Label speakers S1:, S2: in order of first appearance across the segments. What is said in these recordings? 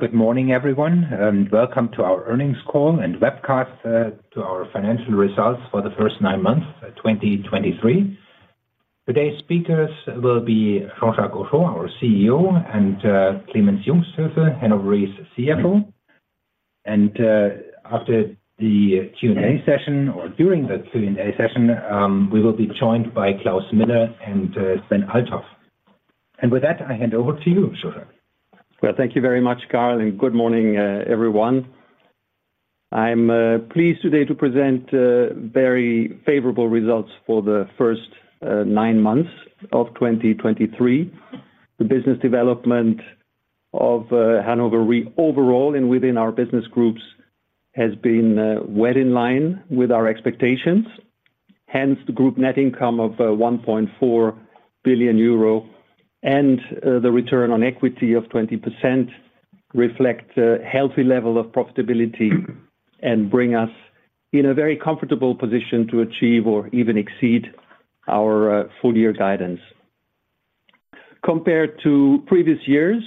S1: Good morning, everyone, and welcome to our Earnings Call and Webcast to our Financial Results for the First Nine Months of 2023. Today's speakers will be Jean-Jacques Henchoz, our CEO, and Clemens Jungsthöfel, Hannover Re's CFO. After the Q&A session or during the Q&A session, we will be joined by Klaus Miller and Sven Althoff. With that, I hand over to you, Sir.
S2: Well, thank you very much, Karl, and good morning, everyone. I'm pleased today to present very favorable results for the first nine months of 2023. The business development of Hannover Re overall and within our business groups has been well in line with our expectations. Hence, the group net income of 1.4 billion euro and the return on equity of 20% reflect a healthy level of profitability, and bring us in a very comfortable position to achieve or even exceed our full year guidance. Compared to previous years,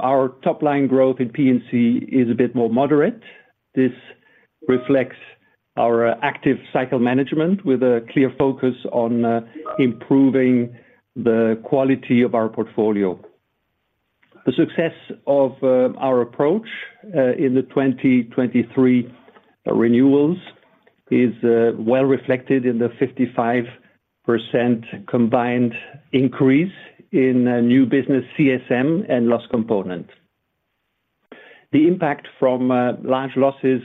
S2: our top line growth in P&C is a bit more moderate. This reflects our active cycle management with a clear focus on improving the quality of our portfolio. The success of our approach in the 2023 renewals is well reflected in the 55% combined increase in new business CSM and loss component. The impact from large losses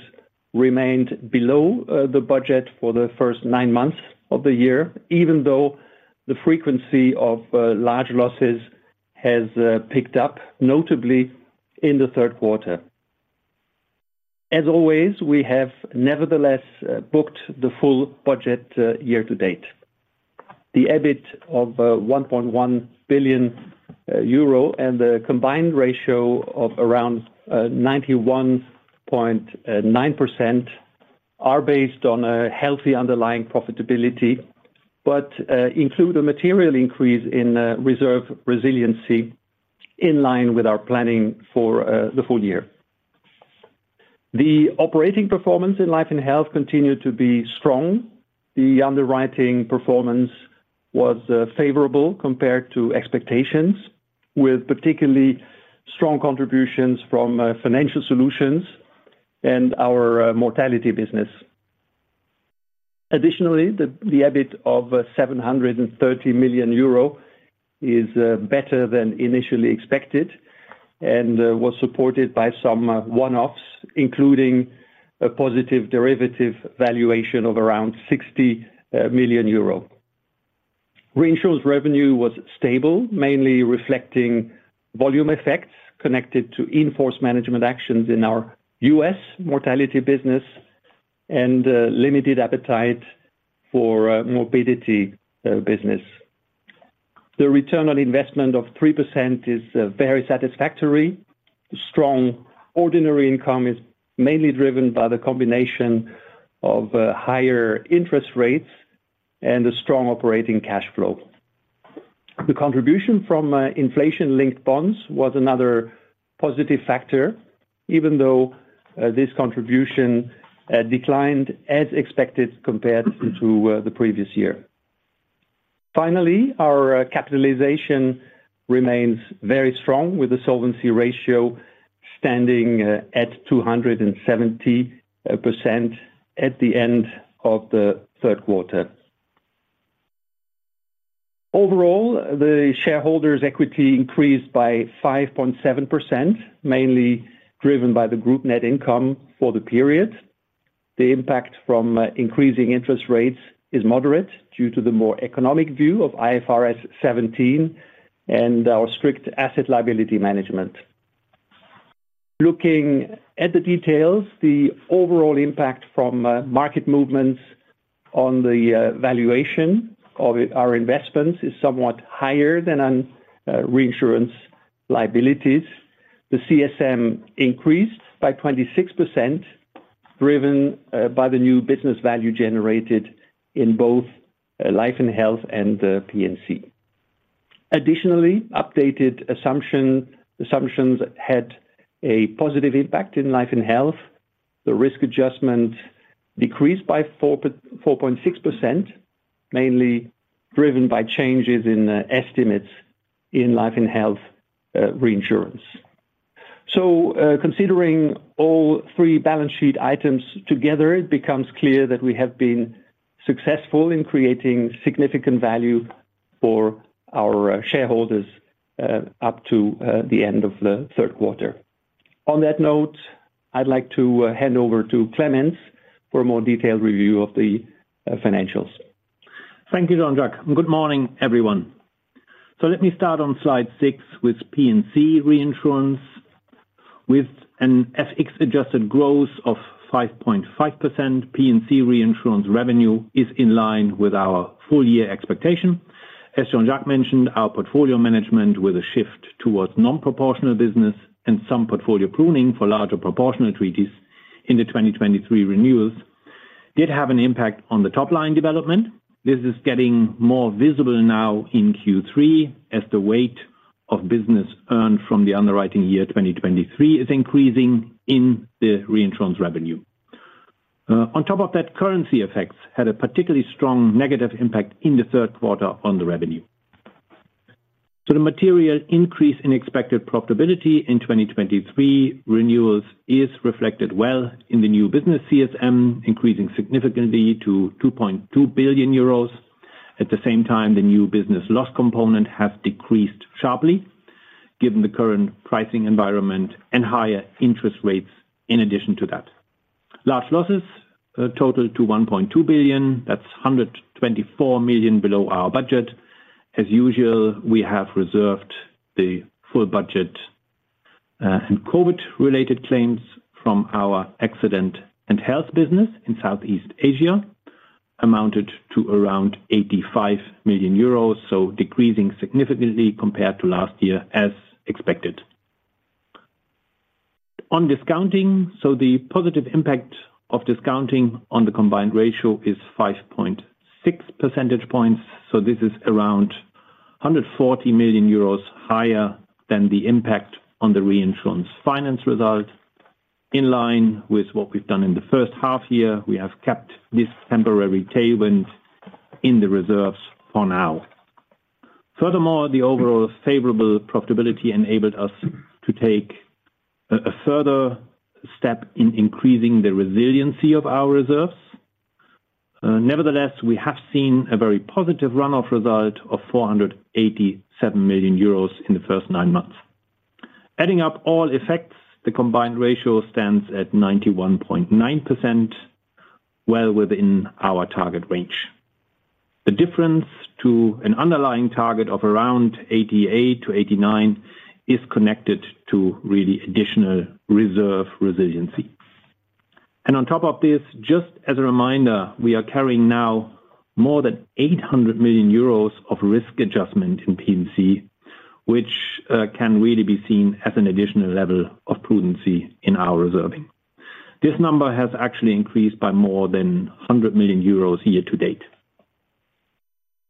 S2: remained below the budget for the first nine months of the year, even though the frequency of large losses has picked up, notably in the third quarter. As always, we have nevertheless booked the full budget year to date. The EBIT of 1.1 billion euro and the combined ratio of around 91.9% are based on a healthy underlying profitability, but include a material increase in reserve resiliency in line with our planning for the full year. The operating performance in life and health continued to be strong. The underwriting performance was favorable compared to expectations, with particularly strong contributions from Financial Solutions and our mortality business. Additionally, the EBIT of 730 million euro is better than initially expected, and was supported by some one-offs, including a positive derivative valuation of around 60 million euro. Reinsurance revenue was stable, mainly reflecting volume effects connected to in-force management actions in our U.S. mortality business and limited appetite for morbidity business. The return on investment of 3% is very satisfactory. Strong ordinary income is mainly driven by the combination of higher interest rates and a strong operating cash flow. The contribution from inflation-linked bonds was another positive factor, even though this contribution declined as expected, compared to the previous year. Finally, our capitalization remains very strong, with the solvency ratio standing at 270% at the end of the third quarter. Overall, the shareholders' equity increased by 5.7%, mainly driven by the group net income for the period. The impact from increasing interest rates is moderate due to the more economic view of IFRS 17, and our strict asset liability management. Looking at the details, the overall impact from market movements on the valuation of our investments is somewhat higher than on reinsurance liabilities. The CSM increased by 26%, driven by the new business value generated in both life and health and P&C. Additionally, updated assumptions had a positive impact in life and health. The risk adjustment decreased by 4.6%, mainly driven by changes in estimates in life and health reinsurance. So, considering all three balance sheet items together, it becomes clear that we have been successful in creating significant value for our shareholders up to the end of the third quarter. On that note, I'd like to hand over to Clemens for a more detailed review of the financials.
S3: Thank you, Jean-Jacques, and good morning, everyone. So let me start on slide six with P&C Reinsurance. With an FX adjusted growth of 5.5%, P&C reinsurance revenue is in line with our full year expectation. As Jean-Jacques mentioned, our portfolio management, with a shift towards non-proportional business and some portfolio pruning for larger proportional treaties in the 2023 renewals, did have an impact on the top line development. This is getting more visible now in Q3, as the weight of business earned from the underwriting year 2023 is increasing in the reinsurance revenue. On top of that, currency effects had a particularly strong negative impact in the third quarter on the revenue. So the material increase in expected profitability in 2023 renewals is reflected well in the new business CSM, increasing significantly to 2.2 billion euros. At the same time, the new business loss component has decreased sharply, given the current pricing environment and higher interest rates in addition to that. Large losses total 1.2 billion, that's 124 million below our budget. As usual, we have reserved the full budget, and COVID-related claims from our accident and health business in Southeast Asia amounted to around 85 million euros, so decreasing significantly compared to last year, as expected. On discounting, so the positive impact of discounting on the combined ratio is 5.6 percentage points, so this is around 140 million euros higher than the impact on the reinsurance finance result. In line with what we've done in the first half year, we have kept this temporary tailwind in the reserves for now. Furthermore, the overall favorable profitability enabled us to take a further step in increasing the resiliency of our reserves. Nevertheless, we have seen a very positive run-off result of 487 million euros in the first nine months. Adding up all effects, the combined ratio stands at 91.9%, well within our target range. The difference to an underlying target of around 88-89 is connected to really additional reserve resiliency. On top of this, just as a reminder, we are carrying now more than 800 million euros of risk adjustment in P&C, which can really be seen as an additional level of prudency in our reserving. This number has actually increased by more than 100 million euros year to date.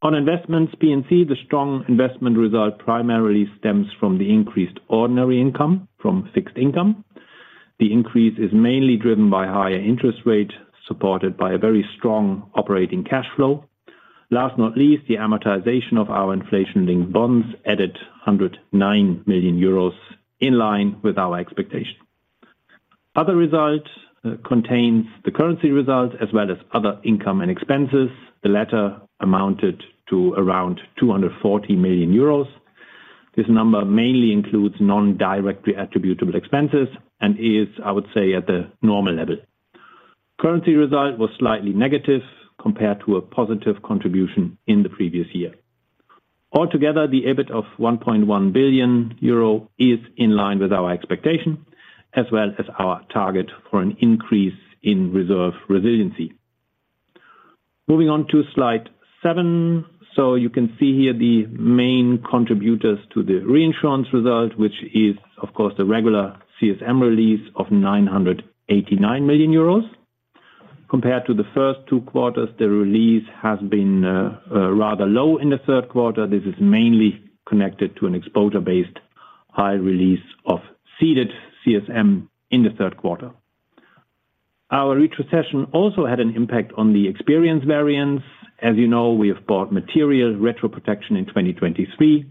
S3: On investments, P&C, the strong investment result primarily stems from the increased ordinary income from fixed income. The increase is mainly driven by higher interest rate, supported by a very strong operating cash flow. Last but not least, the amortization of our inflation-linked bonds added 109 million euros, in line with our expectation. Other results contains the currency results as well as other income and expenses. The latter amounted to around 240 million euros. This number mainly includes non-directly attributable expenses and is, I would say, at the normal level. Currency result was slightly negative compared to a positive contribution in the previous year. Altogether, the EBIT of 1.1 billion euro is in line with our expectation, as well as our target for an increase in reserve resiliency. Moving on to slide seven. So you can see here the main contributors to the reinsurance result, which is, of course, the regular CSM release of 989 million euros. Compared to the first two quarters, the release has been rather low in the third quarter. This is mainly connected to an exposure-based high release of ceded CSM in the third quarter. Our retrocession also had an impact on the experience variance. As you know, we have bought material retro protection in 2023.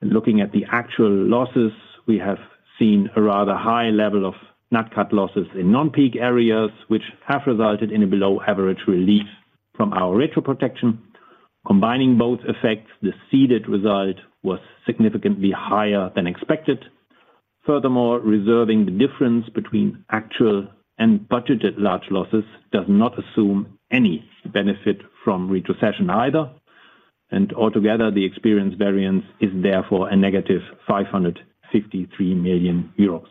S3: Looking at the actual losses, we have seen a rather high level of net cat losses in non-peak areas, which have resulted in a below-average release from our retro protection. Combining both effects, the ceded result was significantly higher than expected. Furthermore, reserving the difference between actual and budgeted large losses does not assume any benefit from retrocession either, and altogether, the experience variance is therefore a negative 553 million euros.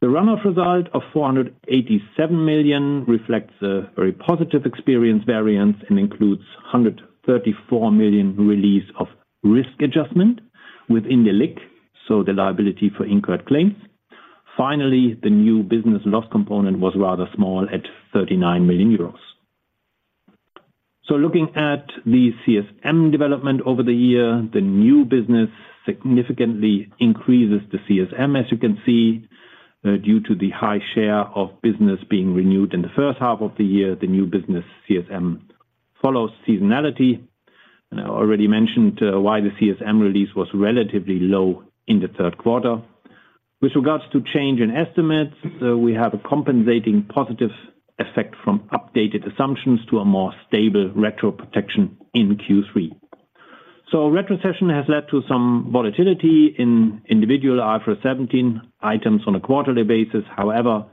S3: The run-off result of 487 million reflects a very positive experience variance and includes 134 million release of risk adjustment within the LIC, so the liability for incurred claims. Finally, the new business loss component was rather small, at 39 million euros. So looking at the CSM development over the year, the new business significantly increases the CSM, as you can see, due to the high share of business being renewed in the first half of the year, the new business CSM follows seasonality. And I already mentioned, why the CSM release was relatively low in the third quarter. With regards to change in estimates, we have a compensating positive effect from updated assumptions to a more stable retro protection in Q3. So retrocession has led to some volatility in individual IFRS 17 items on a quarterly basis. However,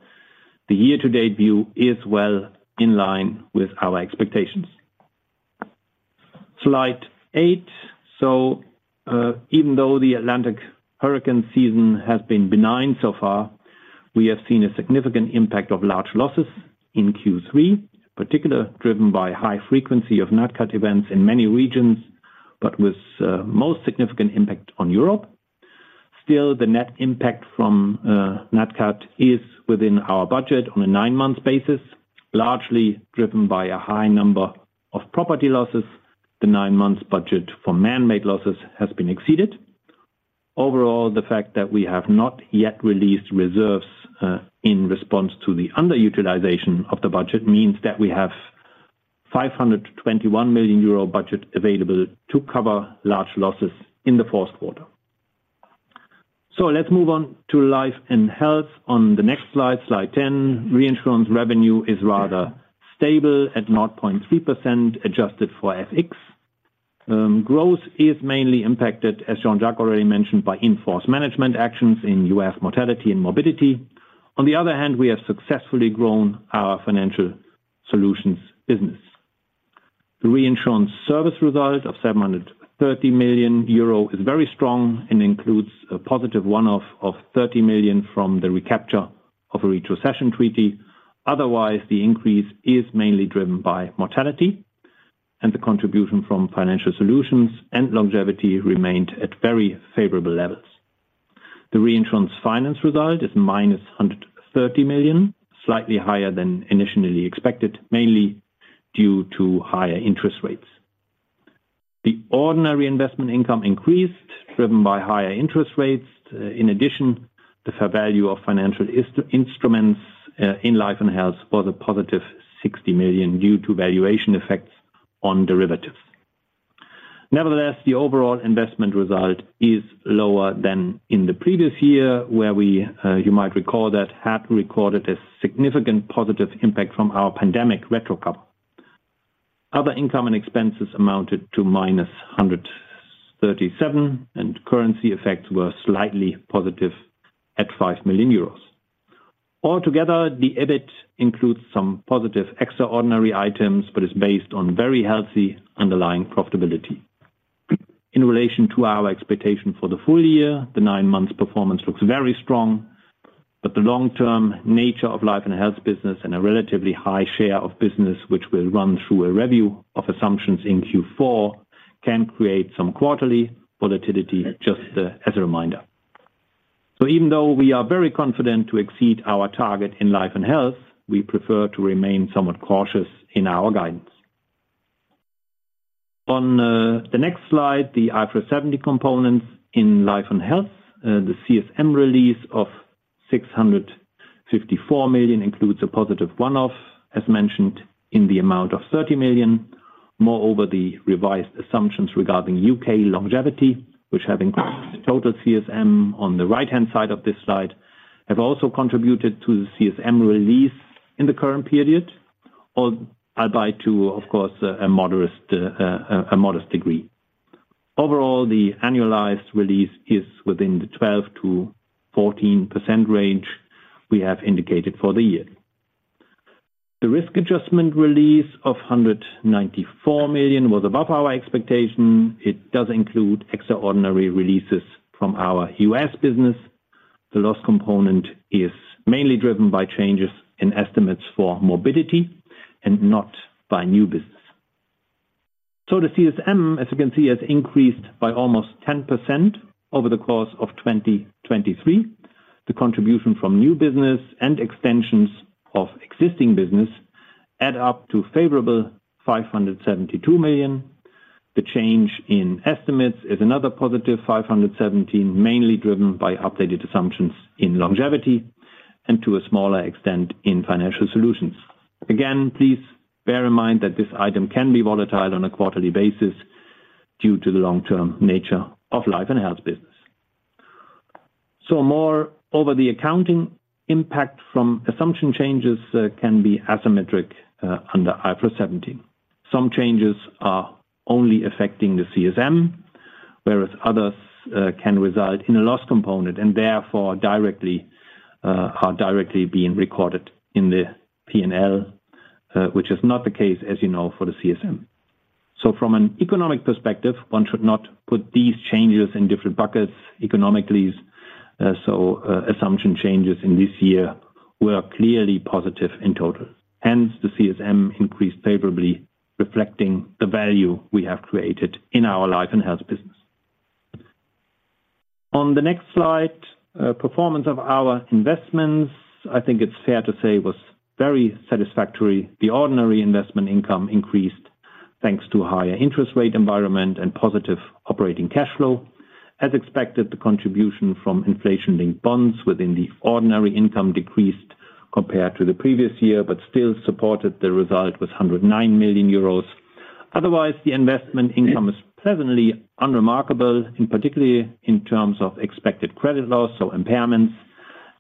S3: the year-to-date view is well in line with our expectations. Slide eight. So, even though the Atlantic hurricane season has been benign so far, we have seen a significant impact of large losses in Q3, particularly driven by high frequency of Nat Cat events in many regions, but with most significant impact on Europe. Still, the net impact from Nat Cat is within our budget on a nine-month basis, largely driven by a high number of property losses. The nine-month budget for man-made losses has been exceeded. Overall, the fact that we have not yet released reserves in response to the underutilization of the budget means that we have 521 million euro budget available to cover large losses in the fourth quarter. So let's move on to life and health. On the next slide, slide 10, reinsurance revenue is rather stable at 0.3%, adjusted for FX. Growth is mainly impacted, as Jean-Jacques already mentioned, by in-force management actions in U.S. mortality and morbidity. On the other hand, we have successfully grown our Financial Solutions business. The reinsurance service result of 730 million euro is very strong and includes a positive one-off of 30 million from the recapture of a retrocession treaty. Otherwise, the increase is mainly driven by mortality, and the contribution from Financial Solutions and longevity remained at very favorable levels. The reinsurance finance result is minus 130 million, slightly higher than initially expected, mainly due to higher interest rates. The ordinary investment income increased, driven by higher interest rates. In addition, the fair value of financial instruments in life and health was a positive 60 million due to valuation effects on derivatives. Nevertheless, the overall investment result is lower than in the previous year, where we, you might recall, that had recorded a significant positive impact from our pandemic retro cover. Other income and expenses amounted to minus 137, and currency effects were slightly positive at 5 million euros. Altogether, the EBIT includes some positive extraordinary items, but is based on very healthy underlying profitability. In relation to our expectation for the full year, the nine-month performance looks very strong, but the long-term nature of life and health business, and a relatively high share of business which will run through a review of assumptions in Q4, can create some quarterly volatility, just, as a reminder. So even though we are very confident to exceed our target in life and health, we prefer to remain somewhat cautious in our guidance. On the next slide, the IFRS 17 components in life and health. The CSM release of 654 million includes a positive one-off, as mentioned, in the amount of 30 million. Moreover, the revised assumptions regarding U.K. longevity, which have increased the total CSM on the right-hand side of this slide, have also contributed to the CSM release in the current period, or by to, of course, a modest, a modest degree. Overall, the annualized release is within the 12%-14% range we have indicated for the year. The risk adjustment release of 194 million was above our expectation. It does include extraordinary releases from our U.S. business. The loss component is mainly driven by changes in estimates for morbidity and not by new business. So the CSM, as you can see, has increased by almost 10% over the course of 2023. The contribution from new business and extensions of existing business add up to favorable 572 million. The change in estimates is another positive 517, mainly driven by updated assumptions in longevity and to a smaller extent, in Financial Solutions. Again, please bear in mind that this item can be volatile on a quarterly basis due to the long-term nature of life and health business. So, moreover, the accounting impact from assumption changes can be asymmetric under IFRS 17. Some changes are only affecting the CSM, whereas others can result in a loss component, and therefore directly are directly being recorded in the P&L, which is not the case, as you know, for the CSM. So from an economic perspective, one should not put these changes in different buckets economically. So, assumption changes in this year were clearly positive in total. Hence, the CSM increased favorably, reflecting the value we have created in our life and health business. On the next slide, performance of our investments, I think it's fair to say, was very satisfactory. The ordinary investment income increased, thanks to higher interest rate environment and positive operating cash flow. As expected, the contribution from inflation-linked bonds within the ordinary income decreased compared to the previous year, but still supported the result with 109 million euros. Otherwise, the investment income is pleasantly unremarkable, in particular in terms of expected credit loss, so impairments,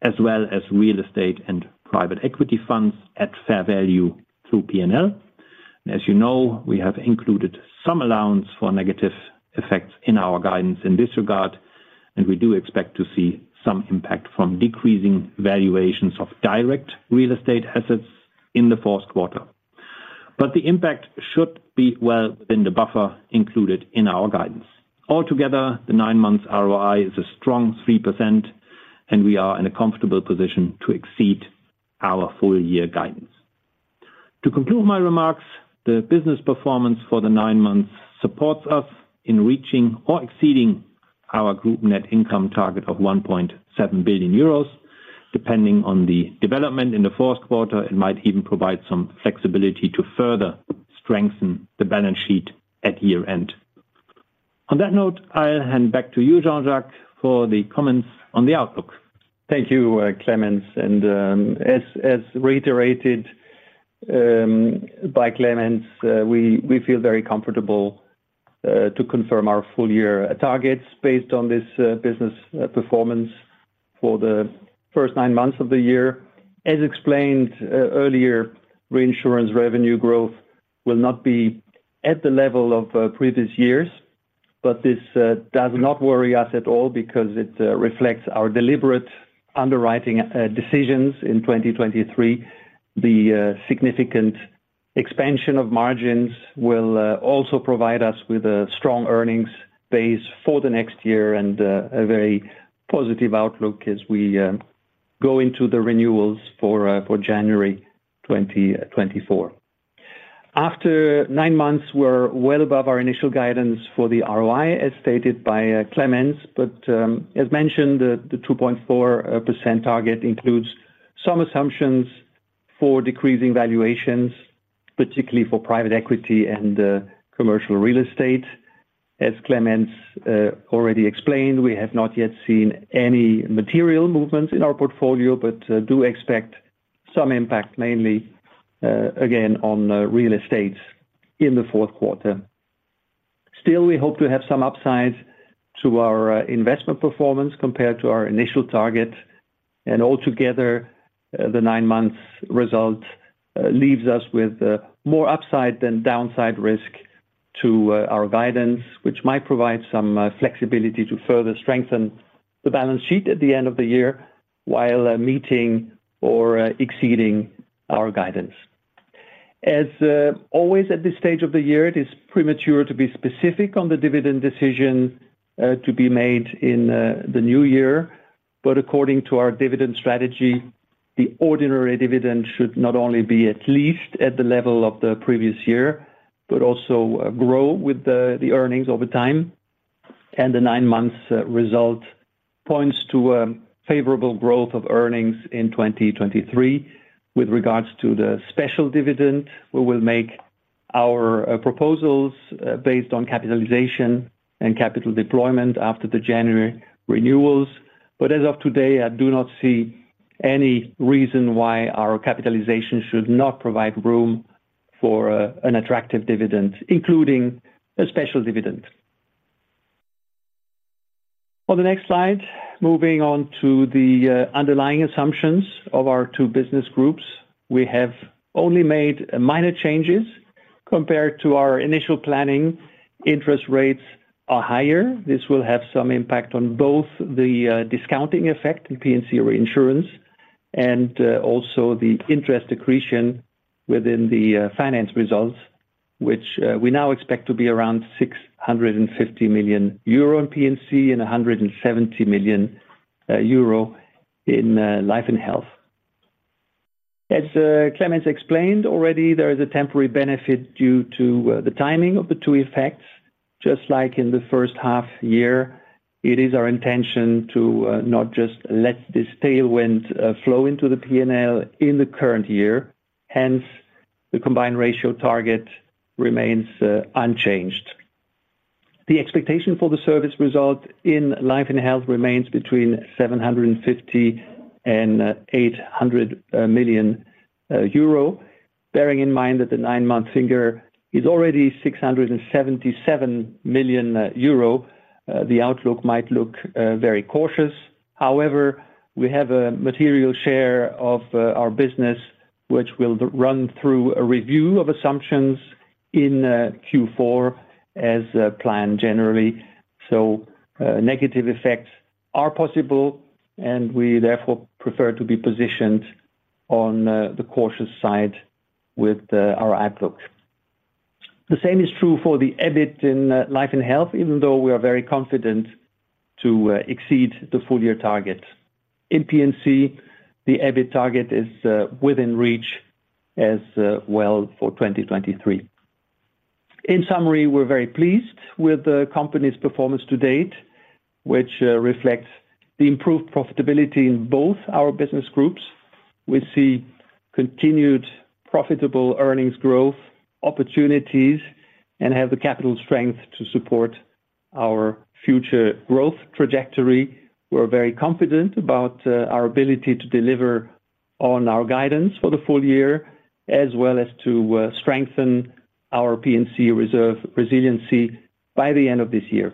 S3: as well as real estate and private equity funds at fair value through P&L. As you know, we have included some allowance for negative effects in our guidance in this regard, and we do expect to see some impact from decreasing valuations of direct real estate assets in the fourth quarter. But the impact should be well within the buffer included in our guidance. Altogether, the nine-month ROI is a strong 3%, and we are in a comfortable position to exceed our full-year guidance. To conclude my remarks, the business performance for the nine months supports us in reaching or exceeding our group net income target of 1.7 billion euros, depending on the development in the fourth quarter. It might even provide some flexibility to further strengthen the balance sheet at year-end. On that note, I'll hand back to you, Jean-Jacques, for the comments on the outlook.
S2: Thank you, Clemens. As reiterated by Clemens, we feel very comfortable to confirm our full year targets based on this business performance for the first nine months of the year. As explained earlier, reinsurance revenue growth will not be at the level of previous years, but this does not worry us at all because it reflects our deliberate underwriting decisions in 2023. The significant expansion of margins will also provide us with a strong earnings base for the next year and a very positive outlook as we go into the renewals for January 2024. After nine months, we're well above our initial guidance for the ROI, as stated by Clemens. But, as mentioned, the 2.4% target includes some assumptions for decreasing valuations, particularly for private equity and commercial real estate. As Clemens already explained, we have not yet seen any material movements in our portfolio, but do expect some impact, mainly again on real estate in the fourth quarter. Still, we hope to have some upsides to our investment performance compared to our initial target. Altogether, the nine months result leaves us with more upside than downside risk to our guidance, which might provide some flexibility to further strengthen the balance sheet at the end of the year, while meeting or exceeding our guidance. As always, at this stage of the year, it is premature to be specific on the dividend decision to be made in the new year. But according to our dividend strategy, the ordinary dividend should not only be at least at the level of the previous year, but also grow with the earnings over time. And the nine months result points to a favorable growth of earnings in 2023. With regards to the special dividend, we will make our proposals based on capitalization and capital deployment after the January renewals. But as of today, I do not see any reason why our capitalization should not provide room for an attractive dividend, including a special dividend. On the next slide, moving on to the underlying assumptions of our two business groups. We have only made minor changes compared to our initial planning. Interest rates are higher. This will have some impact on both the discounting effect in P&C reinsurance, and also the interest accretion within the finance results, which we now expect to be around 650 million euro in P&C and 170 million euro in Life and Health. As Clemens explained already, there is a temporary benefit due to the timing of the two effects. Just like in the first half year, it is our intention to not just let this tailwind flow into the P&L in the current year, hence the combined ratio target remains unchanged. The expectation for the service result in Life and Health remains between 750 and 800 million euro. Bearing in mind that the nine-month figure is already 677 million euro, the outlook might look very cautious. However, we have a material share of our business, which will run through a review of assumptions in Q4 as planned generally. So, negative effects are possible, and we therefore prefer to be positioned on the cautious side with our outlook. The same is true for the EBIT in Life and Health, even though we are very confident to exceed the full year targets. In P&C, the EBIT target is within reach as well for 2023. In summary, we're very pleased with the company's performance to date, which reflects the improved profitability in both our business groups. We see continued profitable earnings growth opportunities and have the capital strength to support our future growth trajectory. We're very confident about our ability to deliver on our guidance for the full year, as well as to strengthen our P&C reserve resiliency by the end of this year.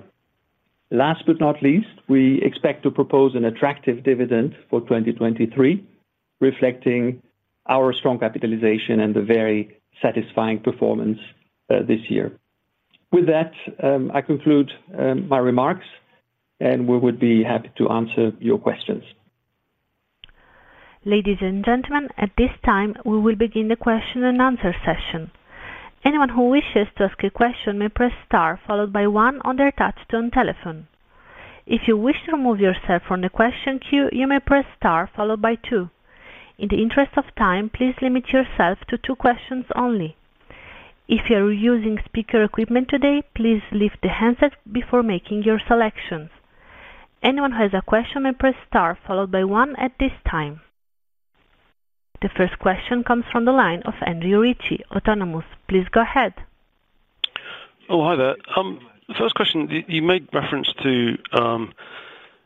S2: Last but not least, we expect to propose an attractive dividend for 2023, reflecting our strong capitalization and the very satisfying performance this year. With that, I conclude my remarks, and we would be happy to answer your questions.
S1: Ladies and gentlemen, at this time, we will begin the question and answer session. Anyone who wishes to ask a question may press star, followed by one on their touchtone telephone. If you wish to remove yourself from the question queue, you may press star followed by two. In the interest of time, please limit yourself to two questions only. If you are using speaker equipment today, please leave the handset before making your selections. Anyone who has a question may press star followed by one at this time. The first question comes from the line of Andrew Ritchie, Autonomous. Please go ahead.
S4: Oh, hi there. The first question, you made reference to,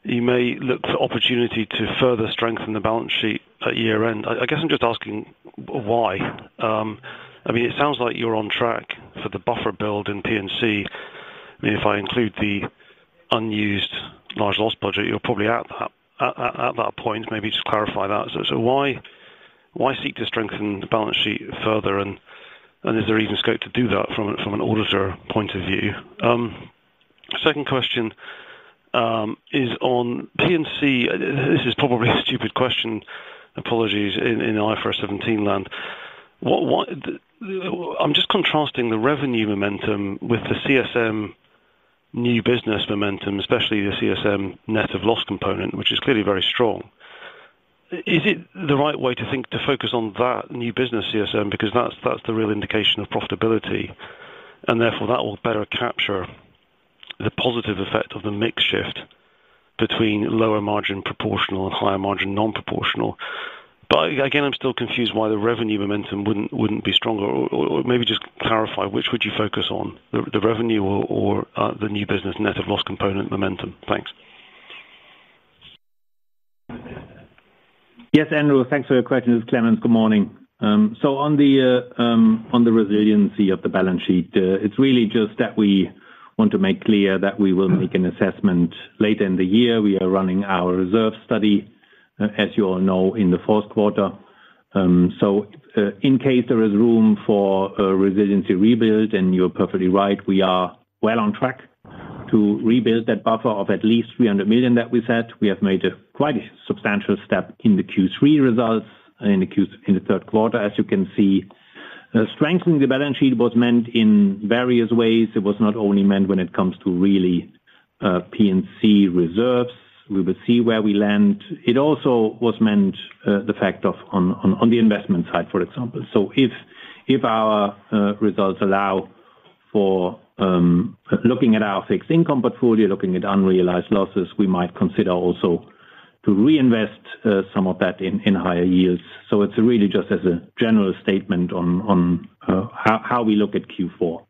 S4: you may look for opportunity to further strengthen the balance sheet at year-end. I guess I'm just asking why? I mean, it sounds like you're on track for the buffer build in P&C. I mean, if I include the unused large loss budget, you're probably at that point. Maybe just clarify that. So why seek to strengthen the balance sheet further, and is there even scope to do that from an auditor point of view? Second question is on P&C. This is probably a stupid question, apologies, in IFRS seventeen land. What, why, I'm just contrasting the revenue momentum with the CSM new business momentum, especially the CSM net of loss component, which is clearly very strong. Is it the right way to think, to focus on that new business CSM, because that's, that's the real indication of profitability, and therefore that will better capture the positive effect of the mix shift between lower margin proportional and higher margin non-proportional? But again, I'm still confused why the revenue momentum wouldn't, wouldn't be stronger. Or, or, or maybe just clarify, which would you focus on, the, the revenue or, or, the new business net of loss component momentum? Thanks.
S3: Yes, Andrew, thanks for your question. It's Clemens. Good morning. So on the resiliency of the balance sheet, it's really just that we want to make clear that we will make an assessment later in the year. We are running our reserve study, as you all know, in the fourth quarter. So, in case there is room for a resiliency rebuild, and you're perfectly right, we are well on track to rebuild that buffer of at least 300 million that we set. We have made quite a substantial step in the Q3 results and in the third quarter, as you can see. Strengthening the balance sheet was meant in various ways. It was not only meant when it comes to really, P&C reserves. We will see where we land. It also was meant, the fact of on the investment side, for example. So if our results allow for looking at our fixed income portfolio, looking at unrealized losses, we might consider also to reinvest some of that in higher yields. So it's really just as a general statement on how we look at Q4.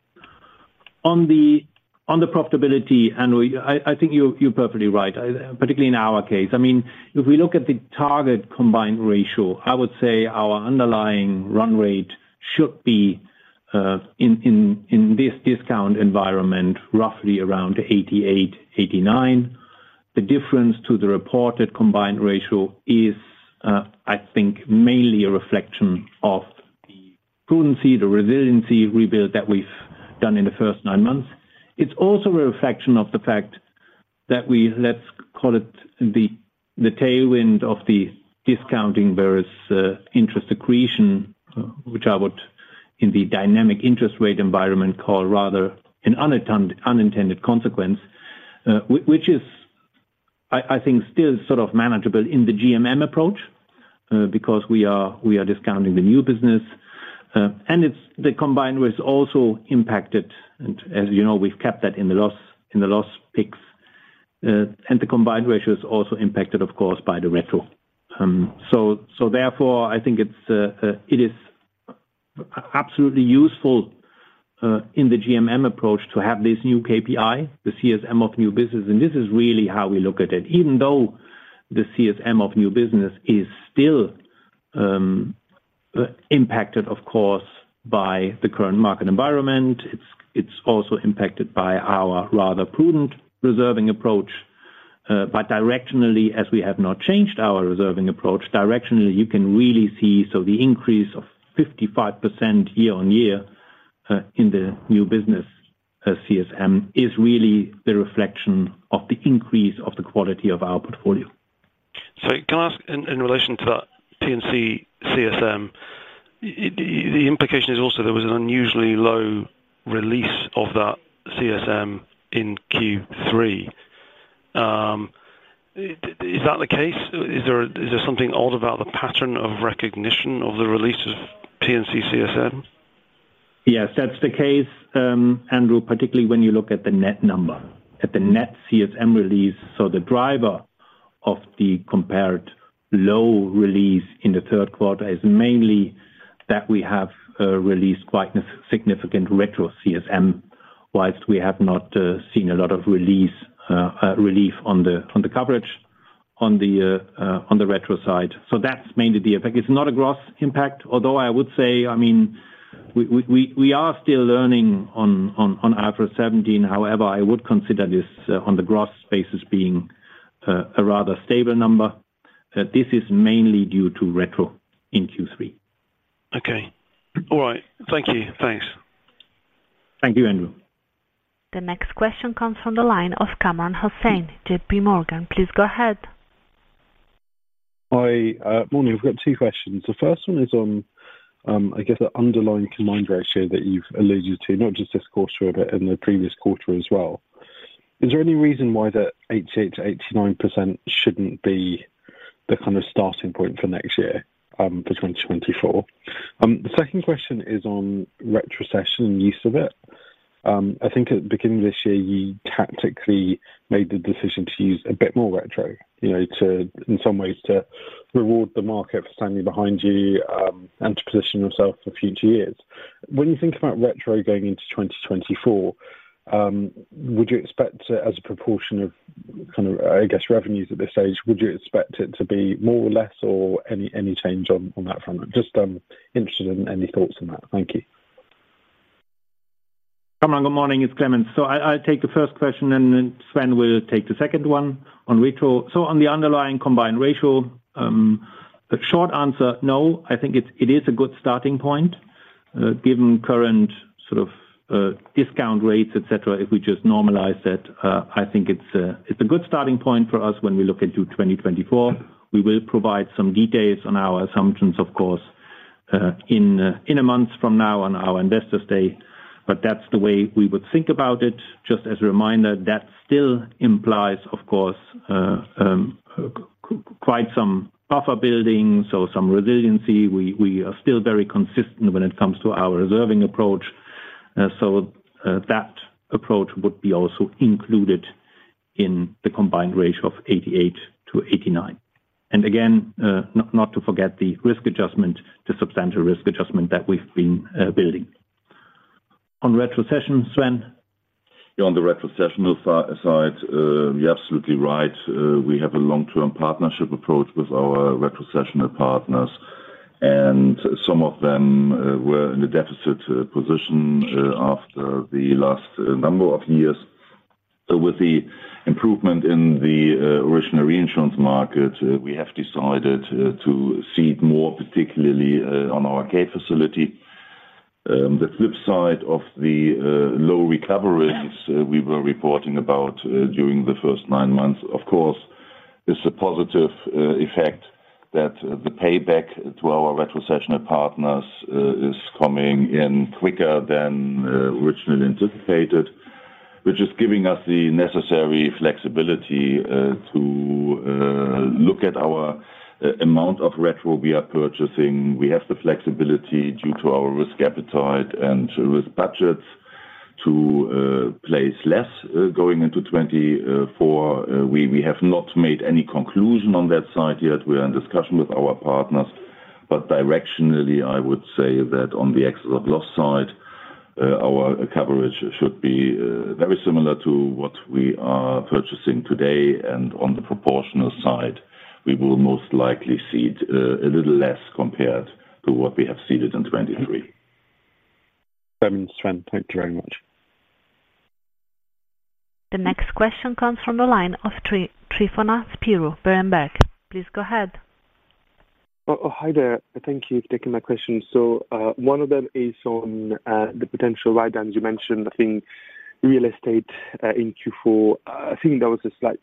S3: On the profitability, Andrew, I think you're perfectly right, particularly in our case. I mean, if we look at the target combined ratio, I would say our underlying run rate should be in this discount environment, roughly around 88, 89. The difference to the reported combined ratio is, I think, mainly a reflection of the prudency, the resiliency rebuild that we've done in the first nine months. It's also a reflection of the fact that we... let's call it the tailwind of the discounting various interest accretion, which I would, in the dynamic interest rate environment, call rather an unintended consequence. Which is, I think, still sort of manageable in the GMM approach, because we are discounting the new business. And it's the combined was also impacted. And as you know, we've kept that in the loss component. And the combined ratio is also impacted, of course, by the retro. So therefore, I think it's absolutely useful in the GMM approach to have this new KPI, the CSM of new business. And this is really how we look at it. Even though the CSM of new business is still impacted, of course, by the current market environment, it's also impacted by our rather prudent reserving approach. But directionally, as we have not changed our reserving approach, directionally, you can really see, so the increase of 55% year-on-year in the new business CSM is really the reflection of the increase of the quality of our portfolio.
S4: So can I ask, in relation to that P&C CSM, the implication is also there was an unusually low release of that CSM in Q3? Is that the case? Is there something odd about the pattern of recognition of the release of P&C CSM?
S3: Yes, that's the case, Andrew, particularly when you look at the net number, at the net CSM release. So the driver of the compared low release in the third quarter is mainly that we have released quite a significant retro CSM, while we have not seen a lot of release, relief on the coverage on the retro side. So that's mainly the effect. It's not a gross impact, although I would say... I mean, we are still learning on IFRS 17. However, I would consider this, on the gross basis being, a rather stable number. This is mainly due to retro in Q3.
S4: Okay. All right. Thank you. Thanks.
S3: Thank you, Andrew.
S1: The next question comes from the line of Kamran Hossain, J.P. Morgan. Please go ahead.
S5: Hi, morning. We've got two questions. The first one is on, I guess, the underlying combined ratio that you've alluded to, not just this quarter, but in the previous quarter as well. Is there any reason why the 88%-89% shouldn't be the kind of starting point for next year, for 2024? The second question is on retrocession and use of it. I think at the beginning of this year, you tactically made the decision to use a bit more retro, you know, to, in some ways to reward the market for standing behind you, and to position yourself for future years. When you think about retro going into 2024, would you expect as a proportion of, kind of, I guess, revenues at this stage, would you expect it to be more or less, or any, any change on, on that front? Just, I'm interested in any thoughts on that. Thank you.
S3: Cameron, good morning, it's Clemens. So I, I'll take the first question, and then Sven will take the second one on retro. So on the underlying combined ratio, the short answer, no. I think it's, it is a good starting point, given current sort of, discount rates, et cetera. If we just normalize that, I think it's a, it's a good starting point for us when we look into 2024. We will provide some details on our assumptions, of course, in a month from now on our investor day, but that's the way we would think about it. Just as a reminder, that still implies, of course, quite some buffer building, so some resiliency. We, we are still very consistent when it comes to our reserving approach. So, that approach would be also included in the combined ratio of 88-89. And again, not to forget the risk adjustment, the substantial risk adjustment that we've been building. On retrocessions, Sven?
S6: Yeah, on the retrocessional side, you're absolutely right. We have a long-term partnership approach with our retrocessional partners, and some of them were in a deficit position after the last number of years. With the improvement in the original reinsurance market, we have decided to cede more, particularly on our K-Cessions facility. The flip side of the low recoveries we were reporting about during the first nine months, of course, is a positive effect that the payback to our retrocessional partners is coming in quicker than originally anticipated. Which is giving us the necessary flexibility to look at our amount of retro we are purchasing. We have the flexibility due to our risk appetite and risk budgets to place less going into 2024. We have not made any conclusion on that side yet. We are in discussion with our partners. But directionally, I would say that on the Excess of Loss side, our coverage should be very similar to what we are purchasing today, and on the Proportional side, we will most likely cede a little less compared to what we have ceded in 2023.
S5: Clemens, Sven, thank you very much.
S1: The next question comes from the line of Tryfonas Spyrou, Berenberg. Please go ahead.
S7: Oh, hi there. Thank you for taking my question. So, one of them is on, the potential write-down you mentioned, I think, real estate, in Q4. I think there was a slight,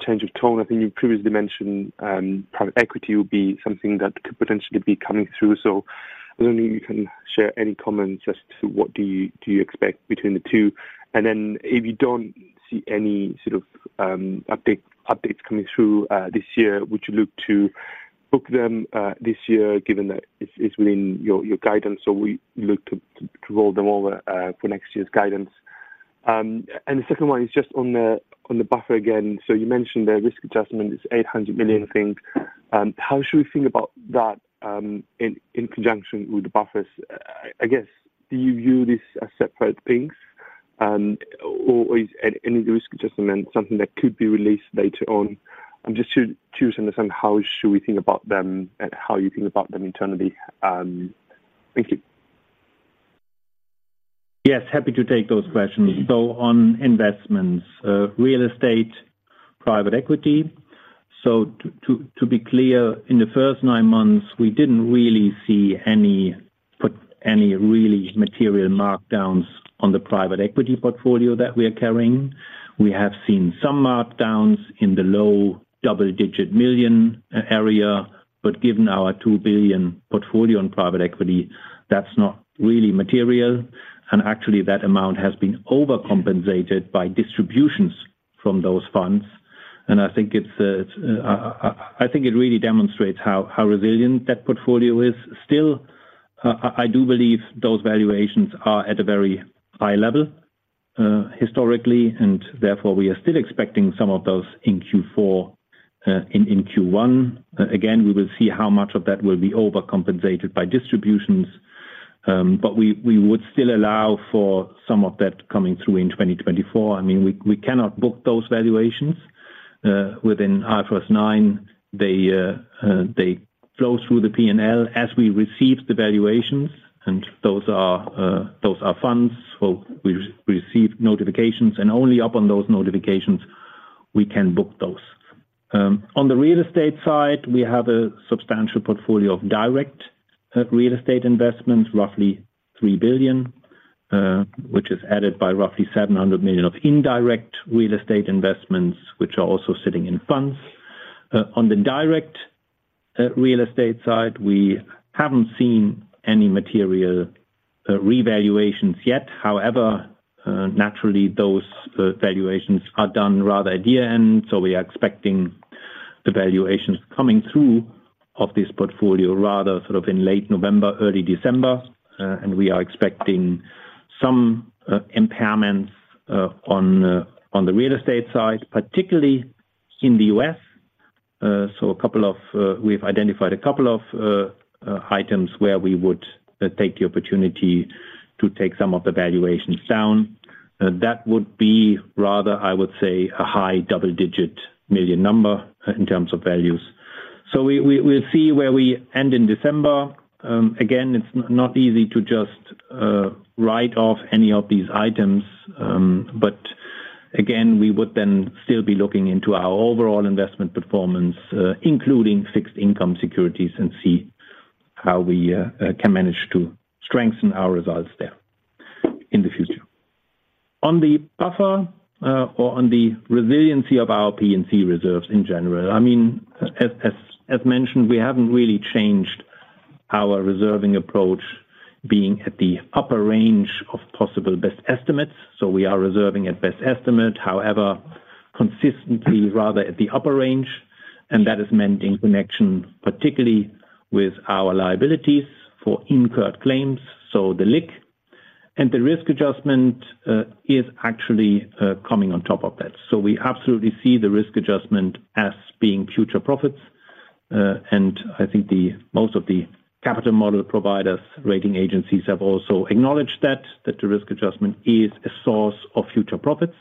S7: change of tone. I think you previously mentioned, private equity would be something that could potentially be coming through, so I don't know if you can share any comments as to what do you, do you expect between the two? And then, if you don't see any sort of, update, updates coming through, this year, would you look to book them, this year, given that it's, within your, guidance, or we look to, roll them over, for next year's guidance? And the second one is just on the, on the buffer again. So you mentioned the risk adjustment is 800 million, I think. How should we think about that, in conjunction with the buffers? I guess, do you view this as separate things, or is any risk adjustment something that could be released later on? And just to understand how should we think about them and how you think about them internally... Thank you.
S3: Yes, happy to take those questions. So on investments, real estate, private equity. So to be clear, in the first nine months, we didn't really put any really material markdowns on the private equity portfolio that we are carrying. We have seen some markdowns in the low double-digit million area, but given our 2 billion portfolio in private equity, that's not really material. And actually, that amount has been overcompensated by distributions from those funds. And I think it really demonstrates how resilient that portfolio is. Still, I do believe those valuations are at a very high level, historically, and therefore we are still expecting some of those in Q4, in Q1. Again, we will see how much of that will be overcompensated by distributions, but we would still allow for some of that coming through in 2024. I mean, we cannot book those valuations. Within IFRS 9, they flow through the P&L as we receive the valuations, and those are funds, so we receive notifications, and only upon those notifications, we can book those. On the real estate side, we have a substantial portfolio of direct real estate investments, roughly 3 billion, which is added by roughly 700 million of indirect real estate investments, which are also sitting in funds. On the direct real estate side, we haven't seen any material revaluations yet. However, naturally, those valuations are done rather at the year-end, so we are expecting the valuations coming through of this portfolio rather sort of in late November, early December. And we are expecting some impairments on the real estate side, particularly in the U.S. So we've identified a couple of items where we would take the opportunity to take some of the valuations down. That would be rather, I would say, a high double-digit million number in terms of values. So we'll see where we end in December. Again, it's not easy to just write off any of these items. But again, we would then still be looking into our overall investment performance, including fixed income securities, and see how we can manage to strengthen our results there in the future. On the buffer, or on the resiliency of our P&C reserves in general, I mean, as mentioned, we haven't really changed our reserving approach, being at the upper range of possible best estimates. So we are reserving at best estimate, however, consistently rather at the upper range, and that is meant in connection, particularly with our liabilities for incurred claims, so the LIC. And the risk adjustment is actually coming on top of that. So we absolutely see the risk adjustment as being future profits. And I think the most of the capital model providers, rating agencies, have also acknowledged that the risk adjustment is a source of future profits.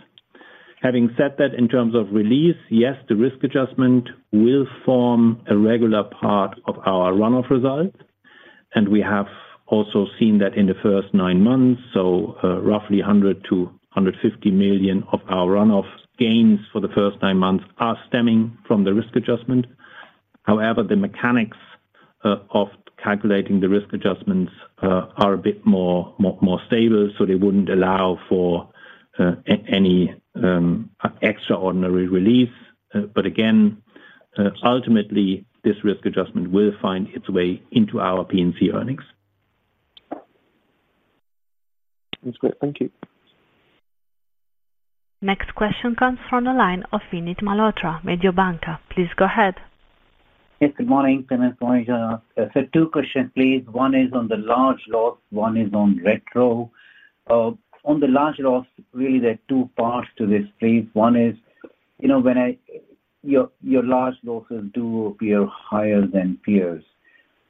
S3: Having said that, in terms of release, yes, the risk adjustment will form a regular part of our run-off result, and we have also seen that in the first nine months. So, roughly 100 million-150 million of our run-off gains for the first nine months are stemming from the risk adjustment. However, the mechanics of calculating the risk adjustments are a bit more stable, so they wouldn't allow for any extraordinary release. But again, ultimately, this risk adjustment will find its way into our P&C earnings.
S7: That's great. Thank you.
S1: Next question comes from the line of Vinit Malhotra, Mediobanca. Please go ahead.
S8: Yes, good morning, everyone. Good morning, so two questions, please. One is on the large loss, one is on retro. On the large loss, really, there are two parts to this, please. One is, you know, when your large losses do appear higher than peers,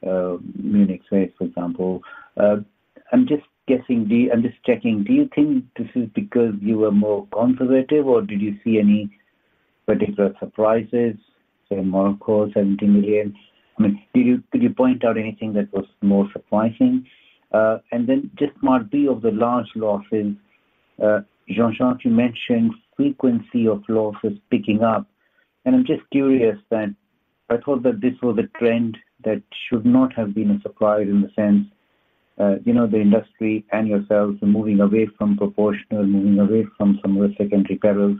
S8: Munich Re, for example. I'm just guessing, I'm just checking, do you think this is because you were more conservative, or did you see any particular surprises, say, Morocco, 17 million? I mean, did you, could you point out anything that was more surprising? And then just part B of the large losses, Jean-Jacques, you mentioned frequency of losses picking up, and I'm just curious then. I thought that this was a trend that should not have been a surprise in the sense, you know, the industry and yourselves are moving away from proportional, moving away from some of the secondary perils.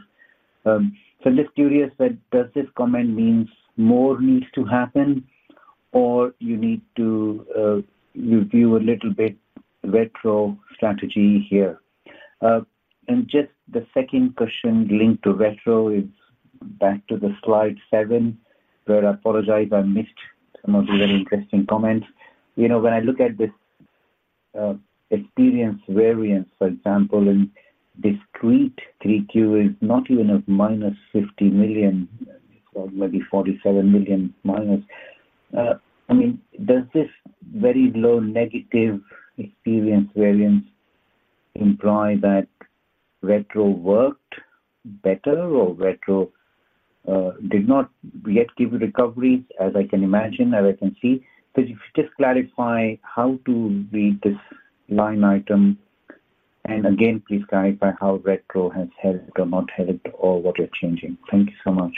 S8: So just curious, that does this comment means more needs to happen, or you need to, review a little bit retro strategy here? And just the second question linked to retro is back to the slide seven, where I apologize, I missed some of the very interesting comments. You know, when I look at this, experience variance, for example, in discrete 3Q is not even a -50 million, or maybe -47 million. I mean, does this very low negative experience variance imply that retro worked better or retro, did not yet give recoveries, as I can imagine, as I can see? Could you just clarify how to read this line item, and again, please guide by how retro has helped or not helped or what you're changing? Thank you so much.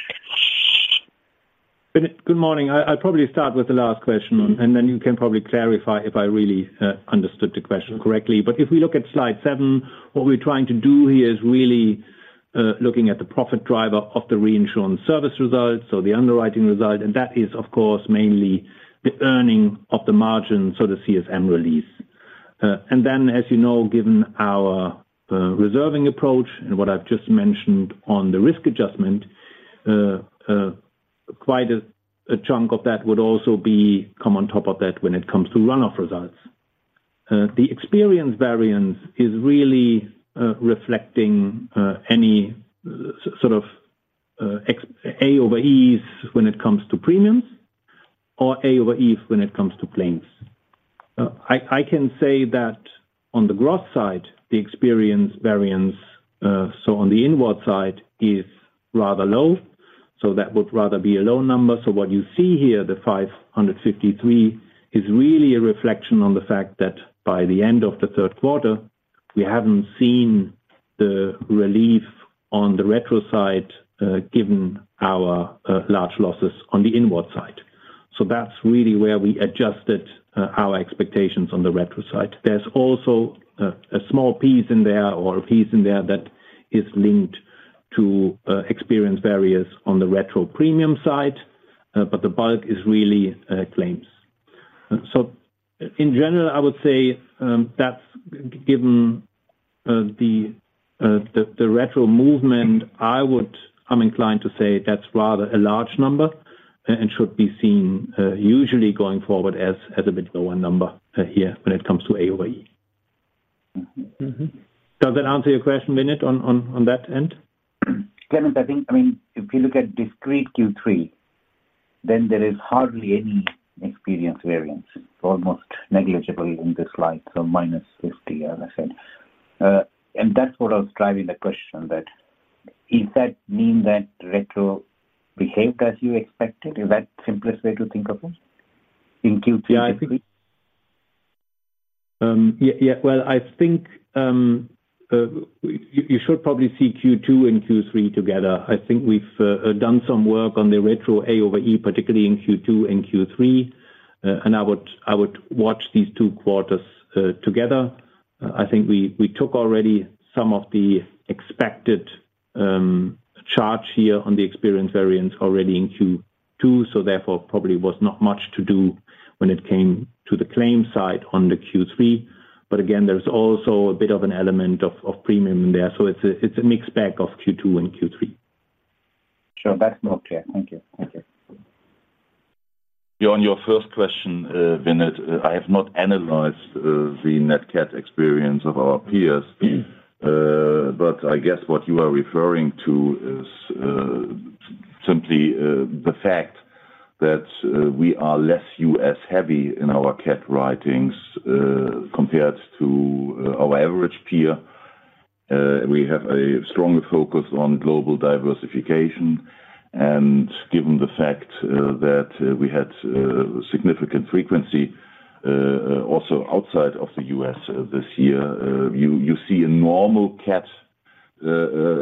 S3: Vinit, good morning. I'll probably start with the last question, and then you can probably clarify if I really understood the question correctly. But if we look at slide seven, what we're trying to do here is really looking at the profit driver of the reinsurance service results, so the underwriting result, and that is, of course, mainly the earning of the margin, so the CSM release. And then, as you know, given our reserving approach and what I've just mentioned on the risk adjustment, quite a chunk of that would also become on top of that when it comes to run-off results. The experience variance is really reflecting any sort of A over E's when it comes to premiums or A over E's when it comes to claims. I can say that on the gross side, the experience variance, so on the inward side, is rather low, so that would rather be a low number. So what you see here, the 553, is really a reflection on the fact that by the end of the third quarter, we haven't seen the relief on the retro side, given our large losses on the inward side. So that's really where we adjusted our expectations on the retro side. There's also a small piece in there, or a piece in there that is linked to experience variances on the retro premium side, but the bulk is really claims. So in general, I would say that's given the retro movement, I'm inclined to say that's rather a large number and should be seen usually going forward as a bit lower number here, when it comes to AoE. Mm-hmm. Does that answer your question, Vinit, on that end?
S8: Clemens, I think, I mean, if you look at discrete Q3, then there is hardly any experience variance, almost negligible in the slide, so minus 50, as I said. And that's what I was driving the question, that, is that mean that retro behaved as you expected? Is that simplest way to think of it in Q3?
S3: Yeah, I think. Yeah, yeah. Well, I think, you should probably see Q2 and Q3 together. I think we've done some work on the retro A over E, particularly in Q2 and Q3. And I would watch these two quarters together. I think we took already some of the expected charge here on the experience variance already in Q2, so therefore, probably was not much to do when it came to the claims side on the Q3. But again, there's also a bit of an element of premium in there. So it's a mixed bag of Q2 and Q3.
S8: Sure. That's okay. Thank you. Thank you.
S6: On your first question, Vinit, I have not analyzed the net cat experience of our peers. But I guess what you are referring to is simply the fact that we are less U.S. heavy in our cat writings compared to our average peer. We have a stronger focus on global diversification, and given the fact that we had significant frequency also outside of the U.S. this year, you, you see a normal cat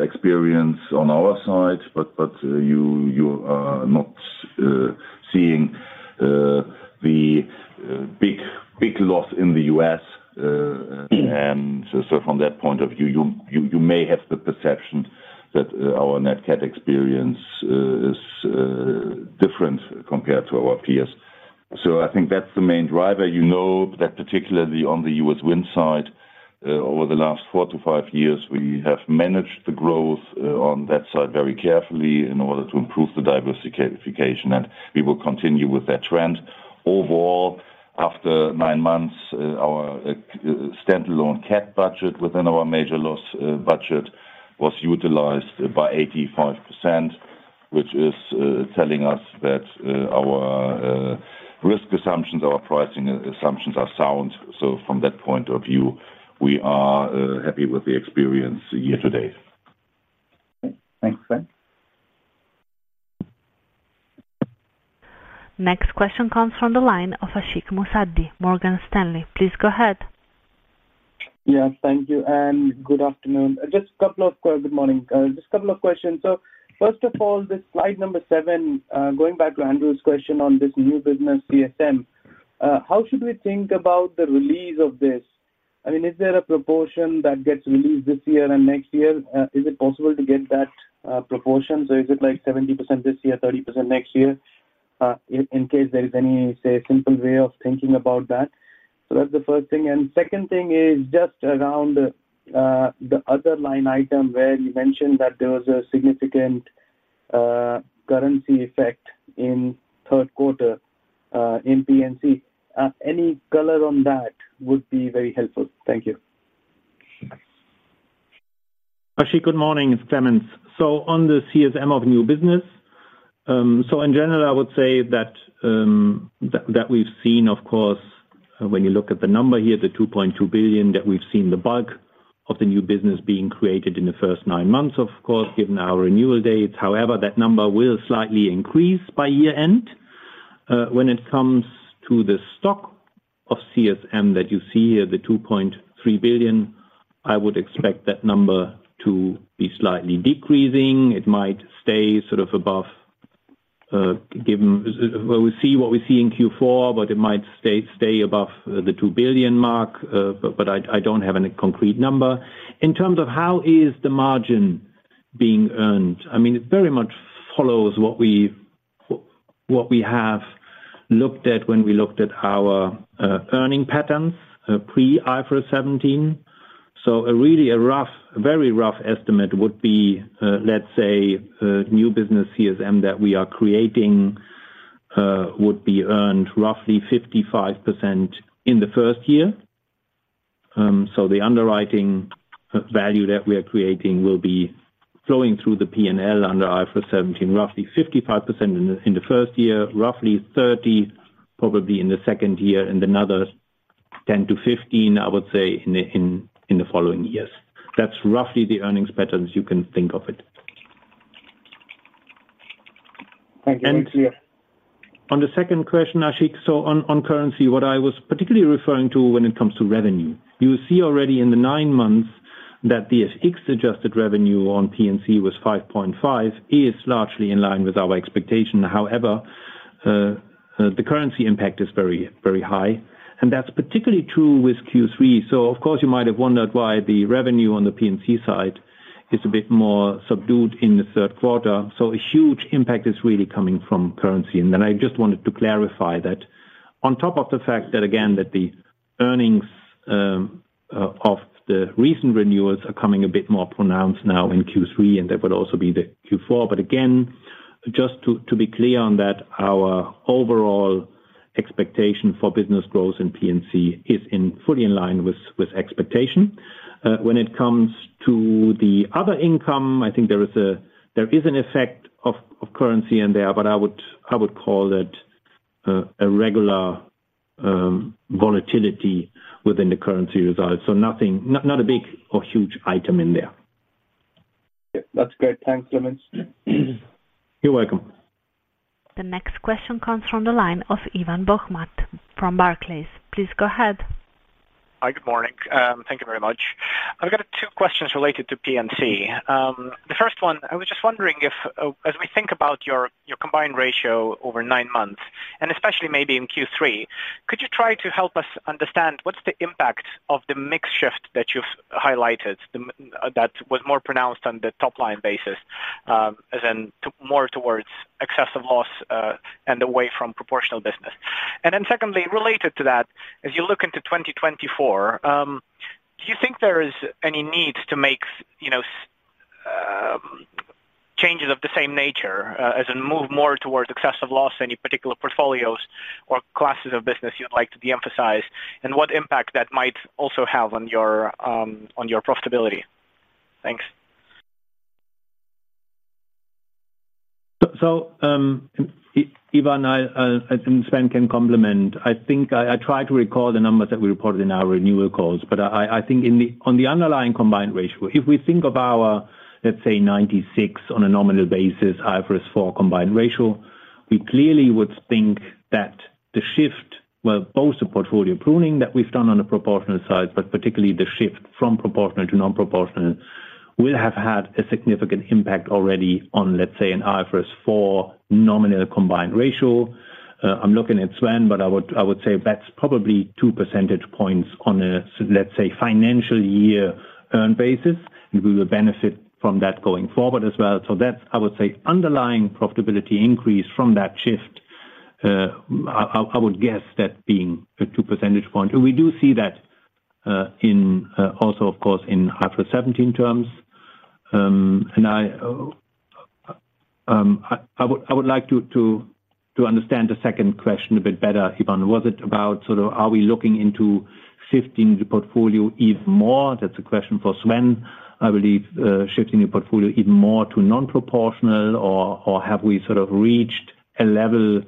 S6: experience on our side, but, but you, you are not seeing the big, big loss in the U.S. And so from that point of view, you, you, you may have the perception that our net cat experience is different compared to our peers. So I think that's the main driver. You know that particularly on the U.S. wind side, over the last four-five years, we have managed the growth on that side very carefully in order to improve the diversification, and we will continue with that trend. Overall, after nine months, our standalone cat budget within our major loss budget was utilized by 85%, which is telling us that our risk assumptions, our pricing assumptions are sound. So from that point of view, we are happy with the experience year to date.
S8: Okay, thanks, Sven.
S1: Next question comes from the line of Ashik Musaddi, Morgan Stanley. Please go ahead.
S9: Yes, thank you, and good afternoon. Just a couple of questions. So first of all, this slide number seven, going back to Andrew's question on this new business CSM, how should we think about the release of this? I mean, is there a proportion that gets released this year and next year? Is it possible to get that proportion, or is it like 70% this year, 30% next year? In case there is any, say, simple way of thinking about that. So that's the first thing. And second thing is just around the other line item where you mentioned that there was a significant currency effect in third quarter, in P&C. Any color on that would be very helpful. Thank you.
S3: Ashik, good morning. It's Clemens. So on the CSM of new business, so in general, I would say that, that we've seen, of course, when you look at the number here, the 2.2 billion, that we've seen the bulk of the new business being created in the first nine months, of course, given our renewal dates. However, that number will slightly increase by year end. When it comes to the stock of CSM that you see here, the 2.3 billion, I would expect that number to be slightly decreasing. It might stay sort of above, given... Well, we see what we see in Q4, but it might stay, stay above the 2 billion mark, but I don't have any concrete number. In terms of how is the margin being earned, I mean, it very much follows what we, what we have looked at when we looked at our, earning patterns, pre-IFRS 17. So really a rough, very rough estimate would be, let's say, new business CSM that we are creating, would be earned roughly 55% in the first year. So the underwriting value that we are creating will be flowing through the P&L under IFRS 17, roughly 55% in the, in the first year, roughly 30%, probably in the second year, and another 10%-15%, I would say, in the, in, in the following years. That's roughly the earnings patterns you can think of it.
S9: Thank you. Very clear.
S3: On the second question, Ashik, so on currency, what I was particularly referring to when it comes to revenue, you see already in the nine months that the FX adjusted revenue on P&C was 5.5, is largely in line with our expectation. However, the currency impact is very, very high, and that's particularly true with Q3. So of course, you might have wondered why the revenue on the P&C side is a bit more subdued in the third quarter. So a huge impact is really coming from currency. And then I just wanted to clarify that on top of the fact that, again, the earnings of the recent renewals are coming a bit more pronounced now in Q3, and that would also be the Q4. But again, just to be clear on that, our overall expectation for business growth in P&C is fully in line with expectation. When it comes to the other income, I think there is an effect of currency in there, but I would call that a regular volatility within the currency results. So nothing, not a big or huge item in there.
S10: Yep, that's great. Thanks, Clemens.
S3: You're welcome.
S1: The next question comes from the line of Evan Sherwood from Barclays. Please go ahead.
S11: Hi, good morning. Thank you very much. I've got two questions related to P&C. The first one, I was just wondering if, as we think about your combined ratio over nine months, and especially maybe in Q3, could you try to help us understand what's the impact of the mix shift that you've highlighted, that was more pronounced on the top line basis, as in to more towards excess of loss, and away from proportional business? And then secondly, related to that, as you look into 2024, do you think there is any need to make, you know, some changes of the same nature, as in move more towards excess of loss, any particular portfolios or classes of business you'd like to de-emphasize, and what impact that might also have on your profitability? Thanks.
S3: So, Evan, and Sven can complement. I think I tried to recall the numbers that we reported in our renewal calls, but I think in the on the underlying combined ratio, if we think of our, let's say, 96 on a nominal basis, IFRS 4 combined ratio, we clearly would think that the shift, well, both the portfolio pruning that we've done on the proportional side, but particularly the shift from proportional to non-proportional, will have had a significant impact already on, let's say, an IFRS 4 nominal combined ratio. I'm looking at Sven, but I would say that's probably two percentage points on a, let's say, financial year earn basis, and we will benefit from that going forward as well. So that's, I would say, underlying profitability increase from that shift. I would guess that being a two percentage point. We do see that also, of course, in IFRS 17 terms. I would like to understand the second question a bit better, Evan. Was it about sort of are we looking into shifting the portfolio even more? That's a question for Sven. I believe shifting the portfolio even more to non-proportional, or have we sort of reached a level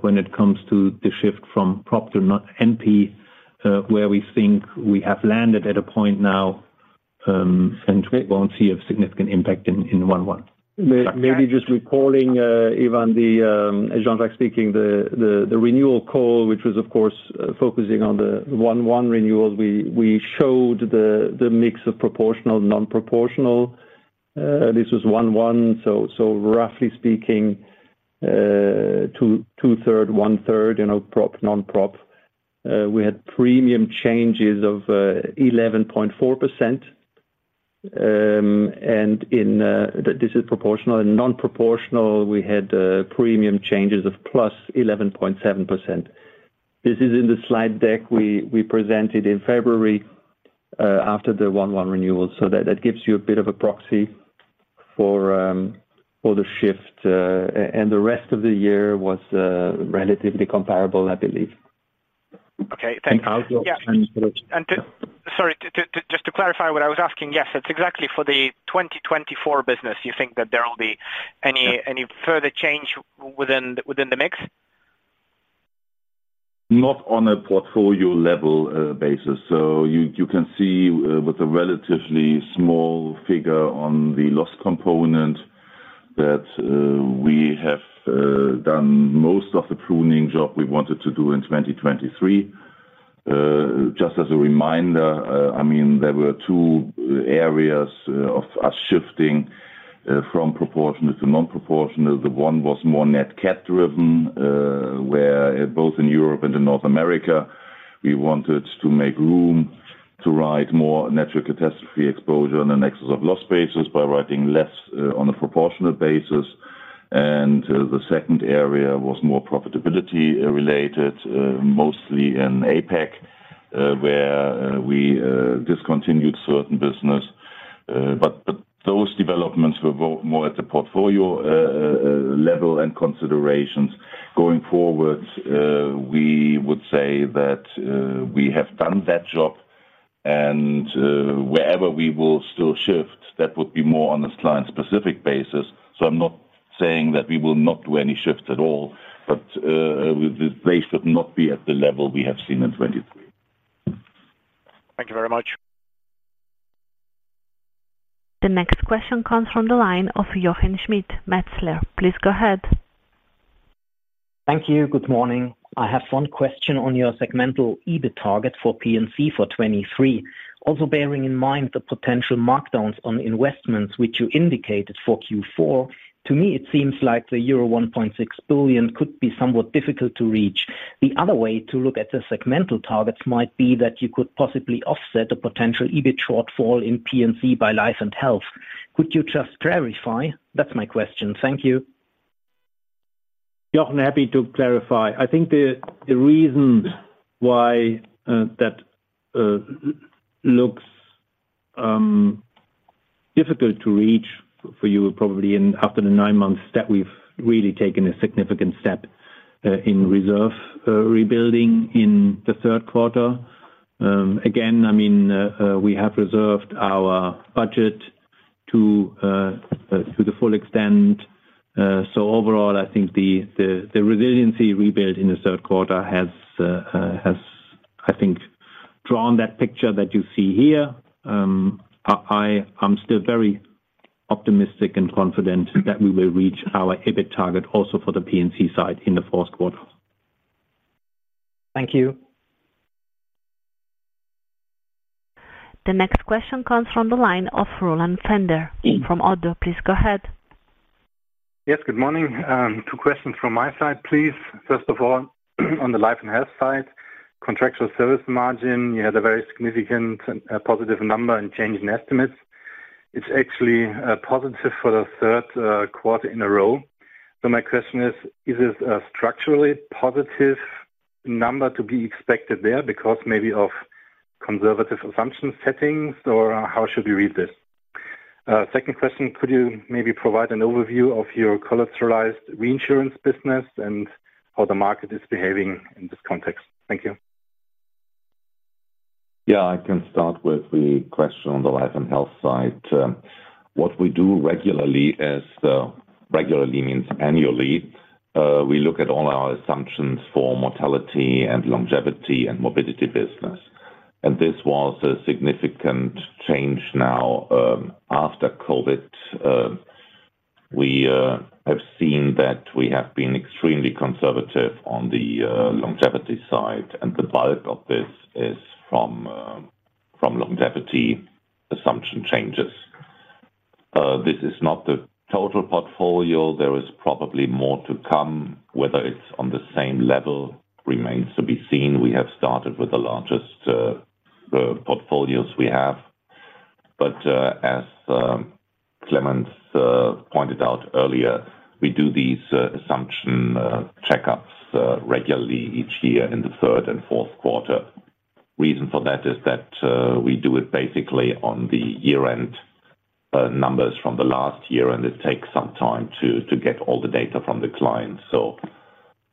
S3: when it comes to the shift from prop to non-P where we think we have landed at a point now, and we won't see a significant impact in 1/1.
S6: Maybe just recalling, Evan, as Jean-Jacques speaking, the renewal call, which was, of course, focusing on the 1/1 renewals, we showed the mix of proportional, non-proportional. This was 1/1, so roughly speaking, two-thirds, one-third, you know, prop, non-prop. We had premium changes of 11.4%. And this is proportional. In non-proportional, we had premium changes of +11.7%. This is in the slide deck we presented in February after the 1/1 renewals. So that gives you a bit of a proxy for the shift, and the rest of the year was relatively comparable, I believe.
S11: Okay, thank you.
S6: I'll go.
S11: Yeah. And... Sorry, just to clarify what I was asking, yes, it's exactly for the 2024 business, you think that there will be any.
S6: Yeah.
S11: Any further change within the mix?
S6: Not on a portfolio level basis. So you can see with a relatively small figure on the loss component that we have done most of the pruning job we wanted to do in 2023. Just as a reminder, I mean, there were two areas of us shifting from proportional to non-proportional. The one was more net cat driven, where both in Europe and in North America, we wanted to make room to write more natural catastrophe exposure on an excess of loss basis by writing less on a proportional basis. And the second area was more profitability related, mostly in APAC, where we discontinued certain business. But those developments were more at the portfolio level and considerations. Going forward, we would say that we have done that job, and wherever we will still shift, that would be more on a client-specific basis. So I'm not saying that we will not do any shifts at all, but the place should not be at the level we have seen in 2023.
S11: Thank you very much.
S1: The next question comes from the line of Jochen Schmitt, Metzler. Please go ahead.
S12: Thank you. Good morning. I have one question on your segmental EBIT target for P&C for 2023. Also, bearing in mind the potential markdowns on investments, which you indicated for Q4, to me, it seems like the euro 1.6 billion could be somewhat difficult to reach. The other way to look at the segmental targets might be that you could possibly offset a potential EBIT shortfall in P&C by Life and Health. Could you just clarify? That's my question. Thank you.
S13: Yeah, I'm happy to clarify. I think the reason why that looks difficult to reach for you, probably in after the nine months, that we've really taken a significant step in reserve rebuilding in the third quarter. Again, I mean, we have reserved our budget to the full extent. So overall, I think the resiliency rebuild in the third quarter has, I think, drawn that picture that you see here. I'm still very optimistic and confident that we will reach our EBIT target, also for the P&C side in the fourth quarter.
S12: Thank you.
S1: The next question comes from the line of Roland Pfänder from Oddo. Please go ahead.
S14: Yes, good morning. Two questions from my side, please. First of all, on the Life and Health side, contractual service margin, you had a very significant positive number in change in estimates. It's actually positive for the third quarter in a row. So my question is: Is this a structurally positive number to be expected there because maybe of conservative assumption settings, or how should we read this? Second question, could you maybe provide an overview of your collateralized reinsurance business, and how the market is behaving in this context? Thank you.
S13: Yeah, I can start with the question on the Life and Health side. What we do regularly is, regularly means annually, we look at all our assumptions for mortality, and longevity, and morbidity business. And this was a significant change now, after COVID. We have seen that we have been extremely conservative on the longevity side, and the bulk of this is from longevity assumption changes. This is not the total portfolio. There is probably more to come. Whether it's on the same level remains to be seen. We have started with the largest portfolios we have. But as Clemens pointed out earlier, we do these assumption checkups regularly each year in the third and fourth quarter. Reason for that is that, we do it basically on the year-end numbers from the last year, and it takes some time to get all the data from the clients. So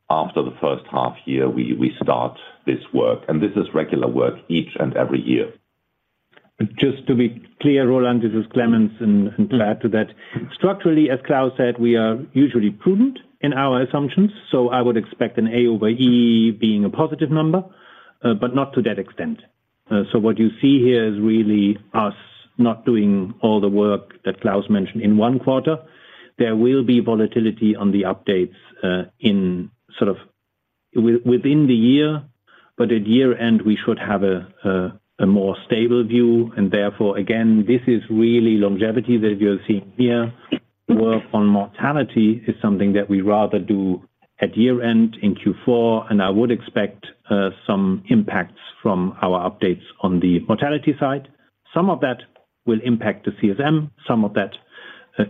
S13: after the first half year, we start this work, and this is regular work each and every year.
S3: Just to be clear, Roland, this is Clemens. And to add to that, structurally, as Klaus said, we are usually prudent in our assumptions, so I would expect an A over E being a positive number, but not to that extent. So what you see here is really us not doing all the work that Klaus mentioned in one quarter. There will be volatility on the updates, in sort of within the year, but at year-end, we should have a more stable view. Therefore, again, this is really longevity that you're seeing here. Work on mortality is something that we rather do at year-end, in Q4, and I would expect some impacts from our updates on the mortality side. Some of that will impact the CSM. Some of that,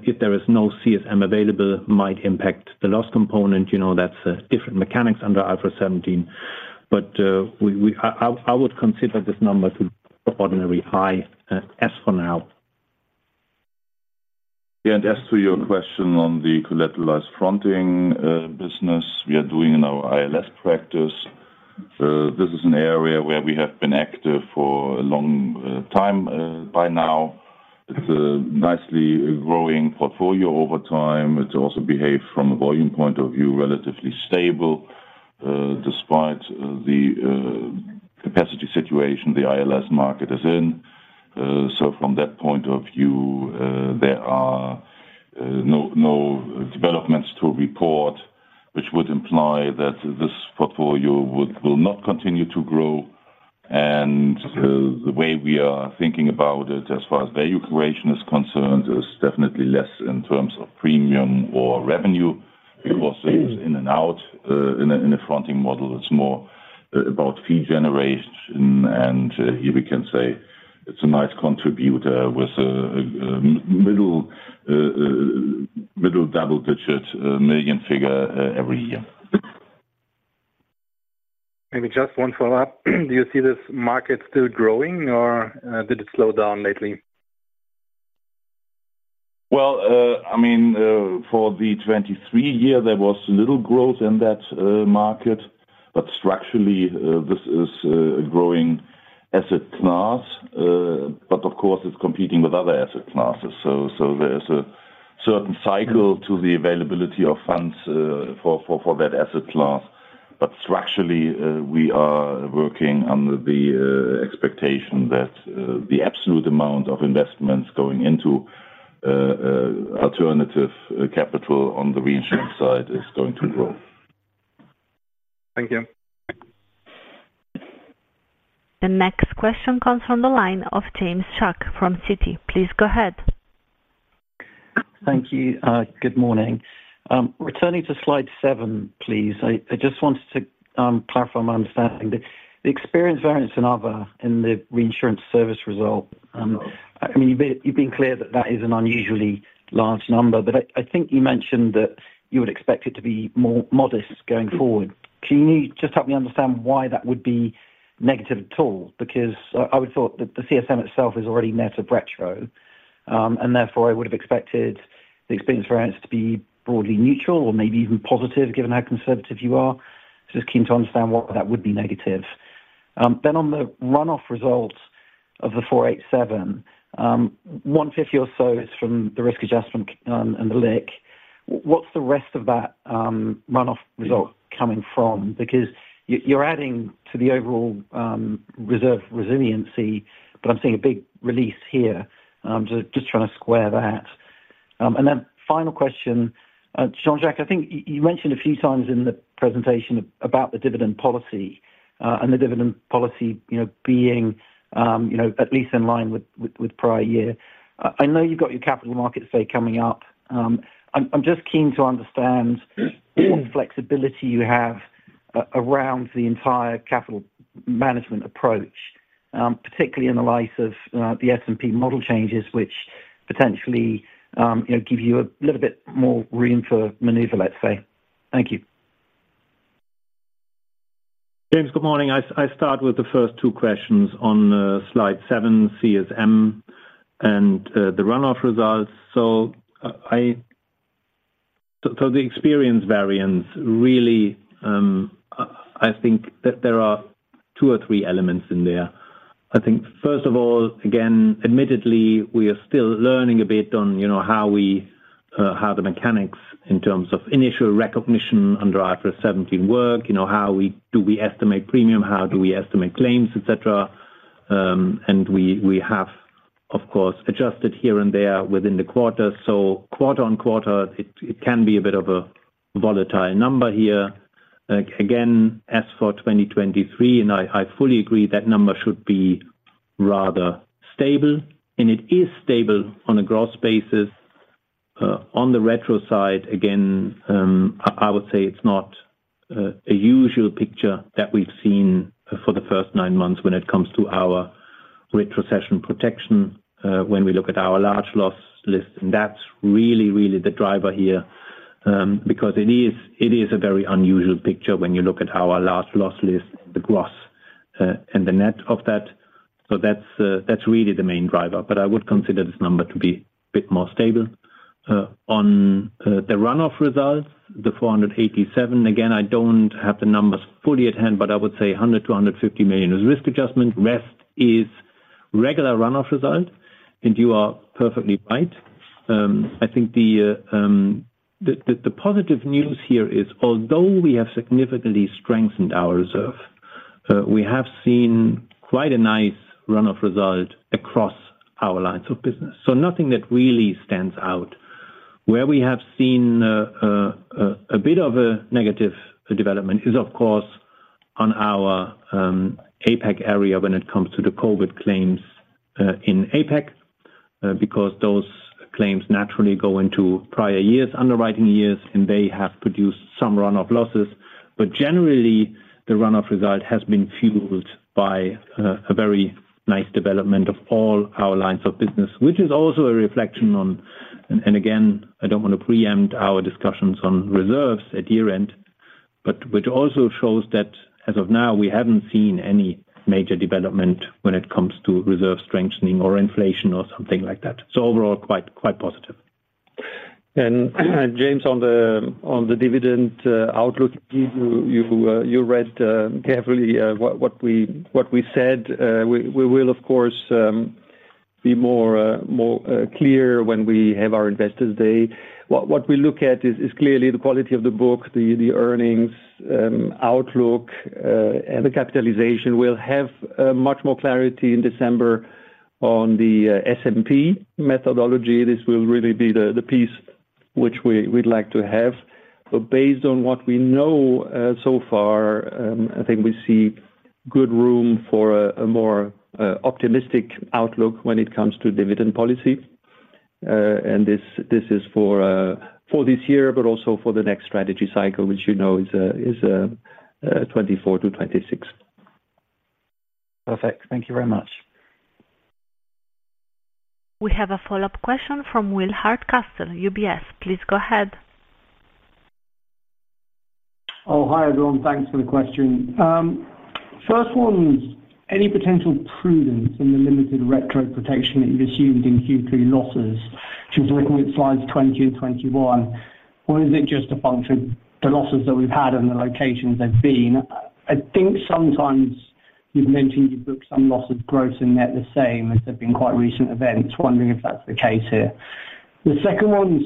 S3: if there is no CSM available, might impact the loss component. You know, that's different mechanics under IFRS 17. But I would consider this number to be ordinarily high as for now.
S13: Yeah, and as to your question on the collateralized fronting business we are doing in our ILS practice, this is an area where we have been active for a long time by now. It's a nicely growing portfolio over time. It's also behaved from a volume point of view relatively stable, despite the capacity situation the ILS market is in. So from that point of view, there are no developments to report, which would imply that this portfolio will not continue to grow. And the way we are thinking about it, as far as value creation is concerned, is definitely less in terms of premium or revenue. Because it's in and out in a fronting model, it's more about fee generation. And here we can say it's a nice contributor with a middle double-digit million figure every year.
S14: Maybe just one follow-up. Do you see this market still growing, or, did it slow down lately?
S3: Well, I mean, for the 2023 year, there was little growth in that market.
S13: But structurally, this is a growing asset class. But of course, it's competing with other asset classes, so there is a certain cycle to the availability of funds for that asset class. But structurally, we are working under the expectation that the absolute amount of investments going into alternative capital on the reinsurance side is going to grow.
S14: Thank you.
S1: The next question comes from the line of James Shuck from Citi. Please go ahead.
S15: Thank you. Good morning. Returning to slide seven, please. I just wanted to clarify my understanding. The experience variance and other in the reinsurance service result, I mean, you've been clear that that is an unusually large number, but I think you mentioned that you would expect it to be more modest going forward. Can you just help me understand why that would be negative at all? Because I would thought that the CSM itself is already net of retro, and therefore, I would have expected the experience variance to be broadly neutral or maybe even positive, given how conservative you are. Just keen to understand why that would be negative. Then on the run-off results of the 487, 150 or so is from the risk adjustment, and the LIC. What's the rest of that, run-off result coming from? Because you, you're adding to the overall, reserve resiliency, but I'm seeing a big release here. Just, just trying to square that. And then final question. Jean-Jacques, I think you, you mentioned a few times in the presentation about the dividend policy, and the dividend policy, you know, being, you know, at least in line with, with, with prior year. I, I know you've got your capital markets day coming up. I'm, I'm just keen to understand what flexibility you have around the entire capital management approach, particularly in the light of, the S&P model changes, which potentially, you know, give you a little bit more room for maneuver, let's say. Thank you.
S3: James, good morning. I start with the first two questions on slide seven, CSM, and the run-off results. So the experience variance, really, I think that there are two or three elements in there. I think, first of all, again, admittedly, we are still learning a bit on, you know, how we how the mechanics in terms of initial recognition under IFRS 17 work, you know, how we estimate premium, how do we estimate claims, et cetera. And we have, of course, adjusted here and there within the quarter. So quarter-on-quarter, it can be a bit of a volatile number here. Again, as for 2023, and I fully agree, that number should be rather stable, and it is stable on a gross basis. On the retro side, again, I would say it's not a usual picture that we've seen for the first nine months when it comes to our retrocession protection, when we look at our large loss list. And that's really, really the driver here, because it is a very unusual picture when you look at our large loss list, the gross, and the net of that. So that's really the main driver. But I would consider this number to be a bit more stable. On the run-off results, the 487, again, I don't have the numbers fully at hand, but I would say 100 million-150 million is risk adjustment. Rest is regular run-off result, and you are perfectly right. I think the positive news here is, although we have significantly strengthened our reserve, we have seen quite a nice run-off result across our lines of business. So nothing that really stands out. Where we have seen a bit of a negative development is, of course, on our APAC area when it comes to the COVID claims in APAC, because those claims naturally go into prior years, underwriting years, and they have produced some run-off losses. But generally, the run-off result has been fueled by a very nice development of all our lines of business, which is also a reflection on. Again, I don't want to preempt our discussions on reserves at year-end, but which also shows that as of now, we haven't seen any major development when it comes to reserve strengthening or inflation or something like that. So overall, quite positive. And James, on the dividend outlook, you read carefully what we said. We will, of course, be more clear when we have our Investors' Day. What we look at is clearly the quality of the book, the earnings outlook, and the capitalization. We'll have much more clarity in December on the S&P methodology. This will really be the piece which we'd like to have. But based on what we know so far, I think we see good room for a more optimistic outlook when it comes to dividend policy. And this is for this year, but also for the next strategy cycle, which, you know, is 2024-2026.
S15: Perfect. Thank you very much.
S1: We have a follow-up question from Will Hardcastle, UBS. Please go ahead.
S16: Oh, hi, everyone. Thanks for the question. First one, any potential prudence in the limited retro protection that you've assumed in Q3 losses, just looking at slides 20 and 21, or is it just a function of the losses that we've had and the locations they've been? You've mentioned you've booked some loss of gross and net the same, as they've been quite recent events. Wondering if that's the case here. The second one is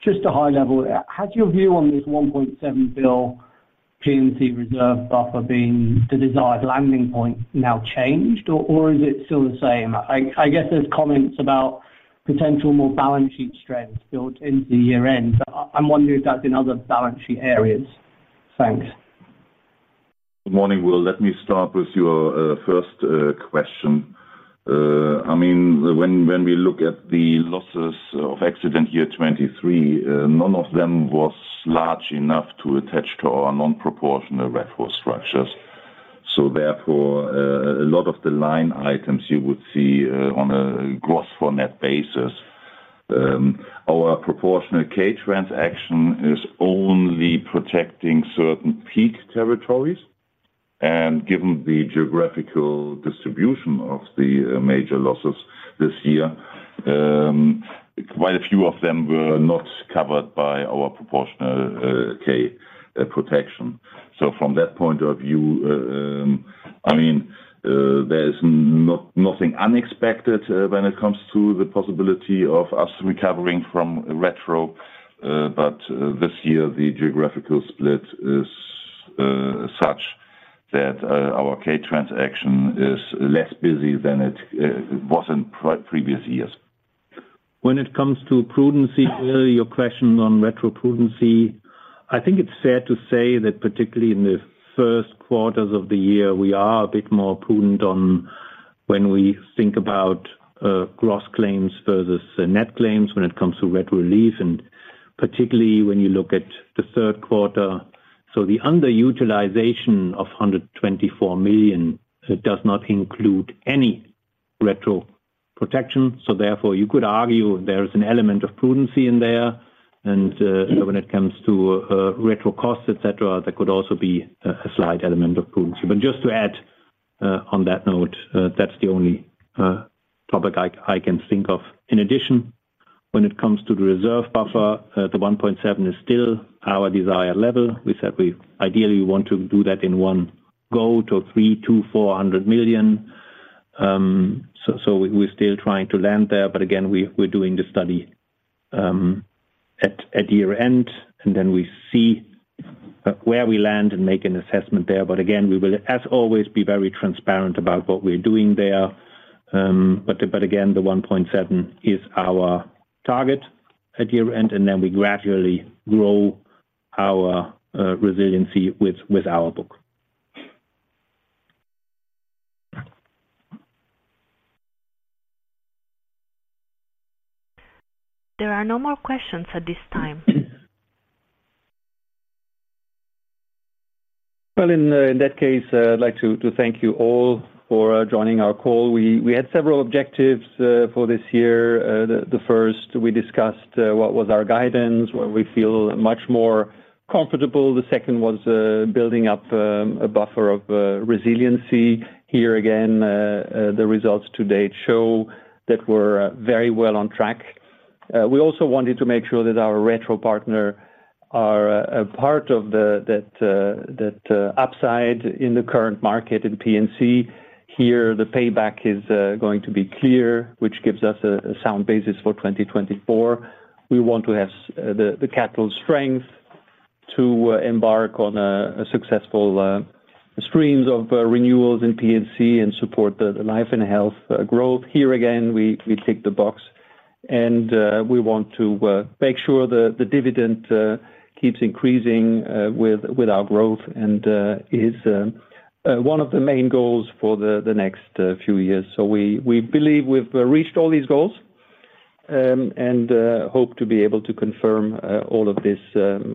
S16: just a high level. Has your view on this 1.7 billion P&C reserve buffer being the desired landing point now changed, or is it still the same? I guess there's comments about potential more balance sheet strength built into the year end. I'm wondering if that's in other balance sheet areas. Thanks.
S13: Good morning, Will. Let me start with your first question. I mean, when we look at the losses of accident year 2023, none of them was large enough to attach to our non-proportional retro structures. So therefore, a lot of the line items you would see on a gross for net basis. Our proportional K transaction is only protecting certain peak territories, and given the geographical distribution of the major losses this year, quite a few of them were not covered by our proportional K protection. So from that point of view, I mean, there's nothing unexpected when it comes to the possibility of us recovering from retro. But this year, the geographical split is such that our K transaction is less busy than it was in previous years.
S3: When it comes to prudence, your question on retro prudence, I think it's fair to say that particularly in the first quarters of the year, we are a bit more prudent on when we think about gross claims versus net claims when it comes to retro relief, and particularly when you look at the third quarter. So the underutilization of 124 million does not include any retro protection. So therefore, you could argue there is an element of prudence in there. And when it comes to retro costs, et cetera, there could also be a slight element of prudence. But just to add on that note, that's the only topic I can think of. In addition, when it comes to the reserve buffer, the 1.7 is still our desired level. We said we ideally want to do that in one go to 300 million-400 million. So we're still trying to land there, but again, we're doing the study at year-end, and then we see where we land and make an assessment there. But again, we will, as always, be very transparent about what we're doing there. But again, the 1.7 is our target at year-end, and then we gradually grow our resiliency with our book.
S1: There are no more questions at this time.
S2: Well, in that case, I'd like to thank you all for joining our call. We had several objectives for this year. The first we discussed what was our guidance, where we feel much more comfortable. The second was building up a buffer of resiliency. Here, again, the results to date show that we're very well on track. We also wanted to make sure that our retro partner are a part of the upside in the current market in P&C. Here, the payback is going to be clear, which gives us a sound basis for 2024. We want to have the capital strength to embark on a successful streams of renewals in P&C and support the life and health growth. Here again, we tick the box. We want to make sure the dividend keeps increasing with our growth and is one of the main goals for the next few years. We believe we've reached all these goals and hope to be able to confirm all of this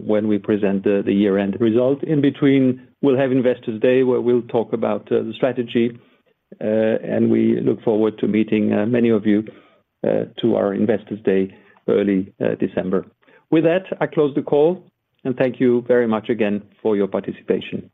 S2: when we present the year-end results. In between, we'll have Investors Day, where we'll talk about the strategy and we look forward to meeting many of you to our Investors Day, early December. With that, I close the call, and thank you very much again for your participation.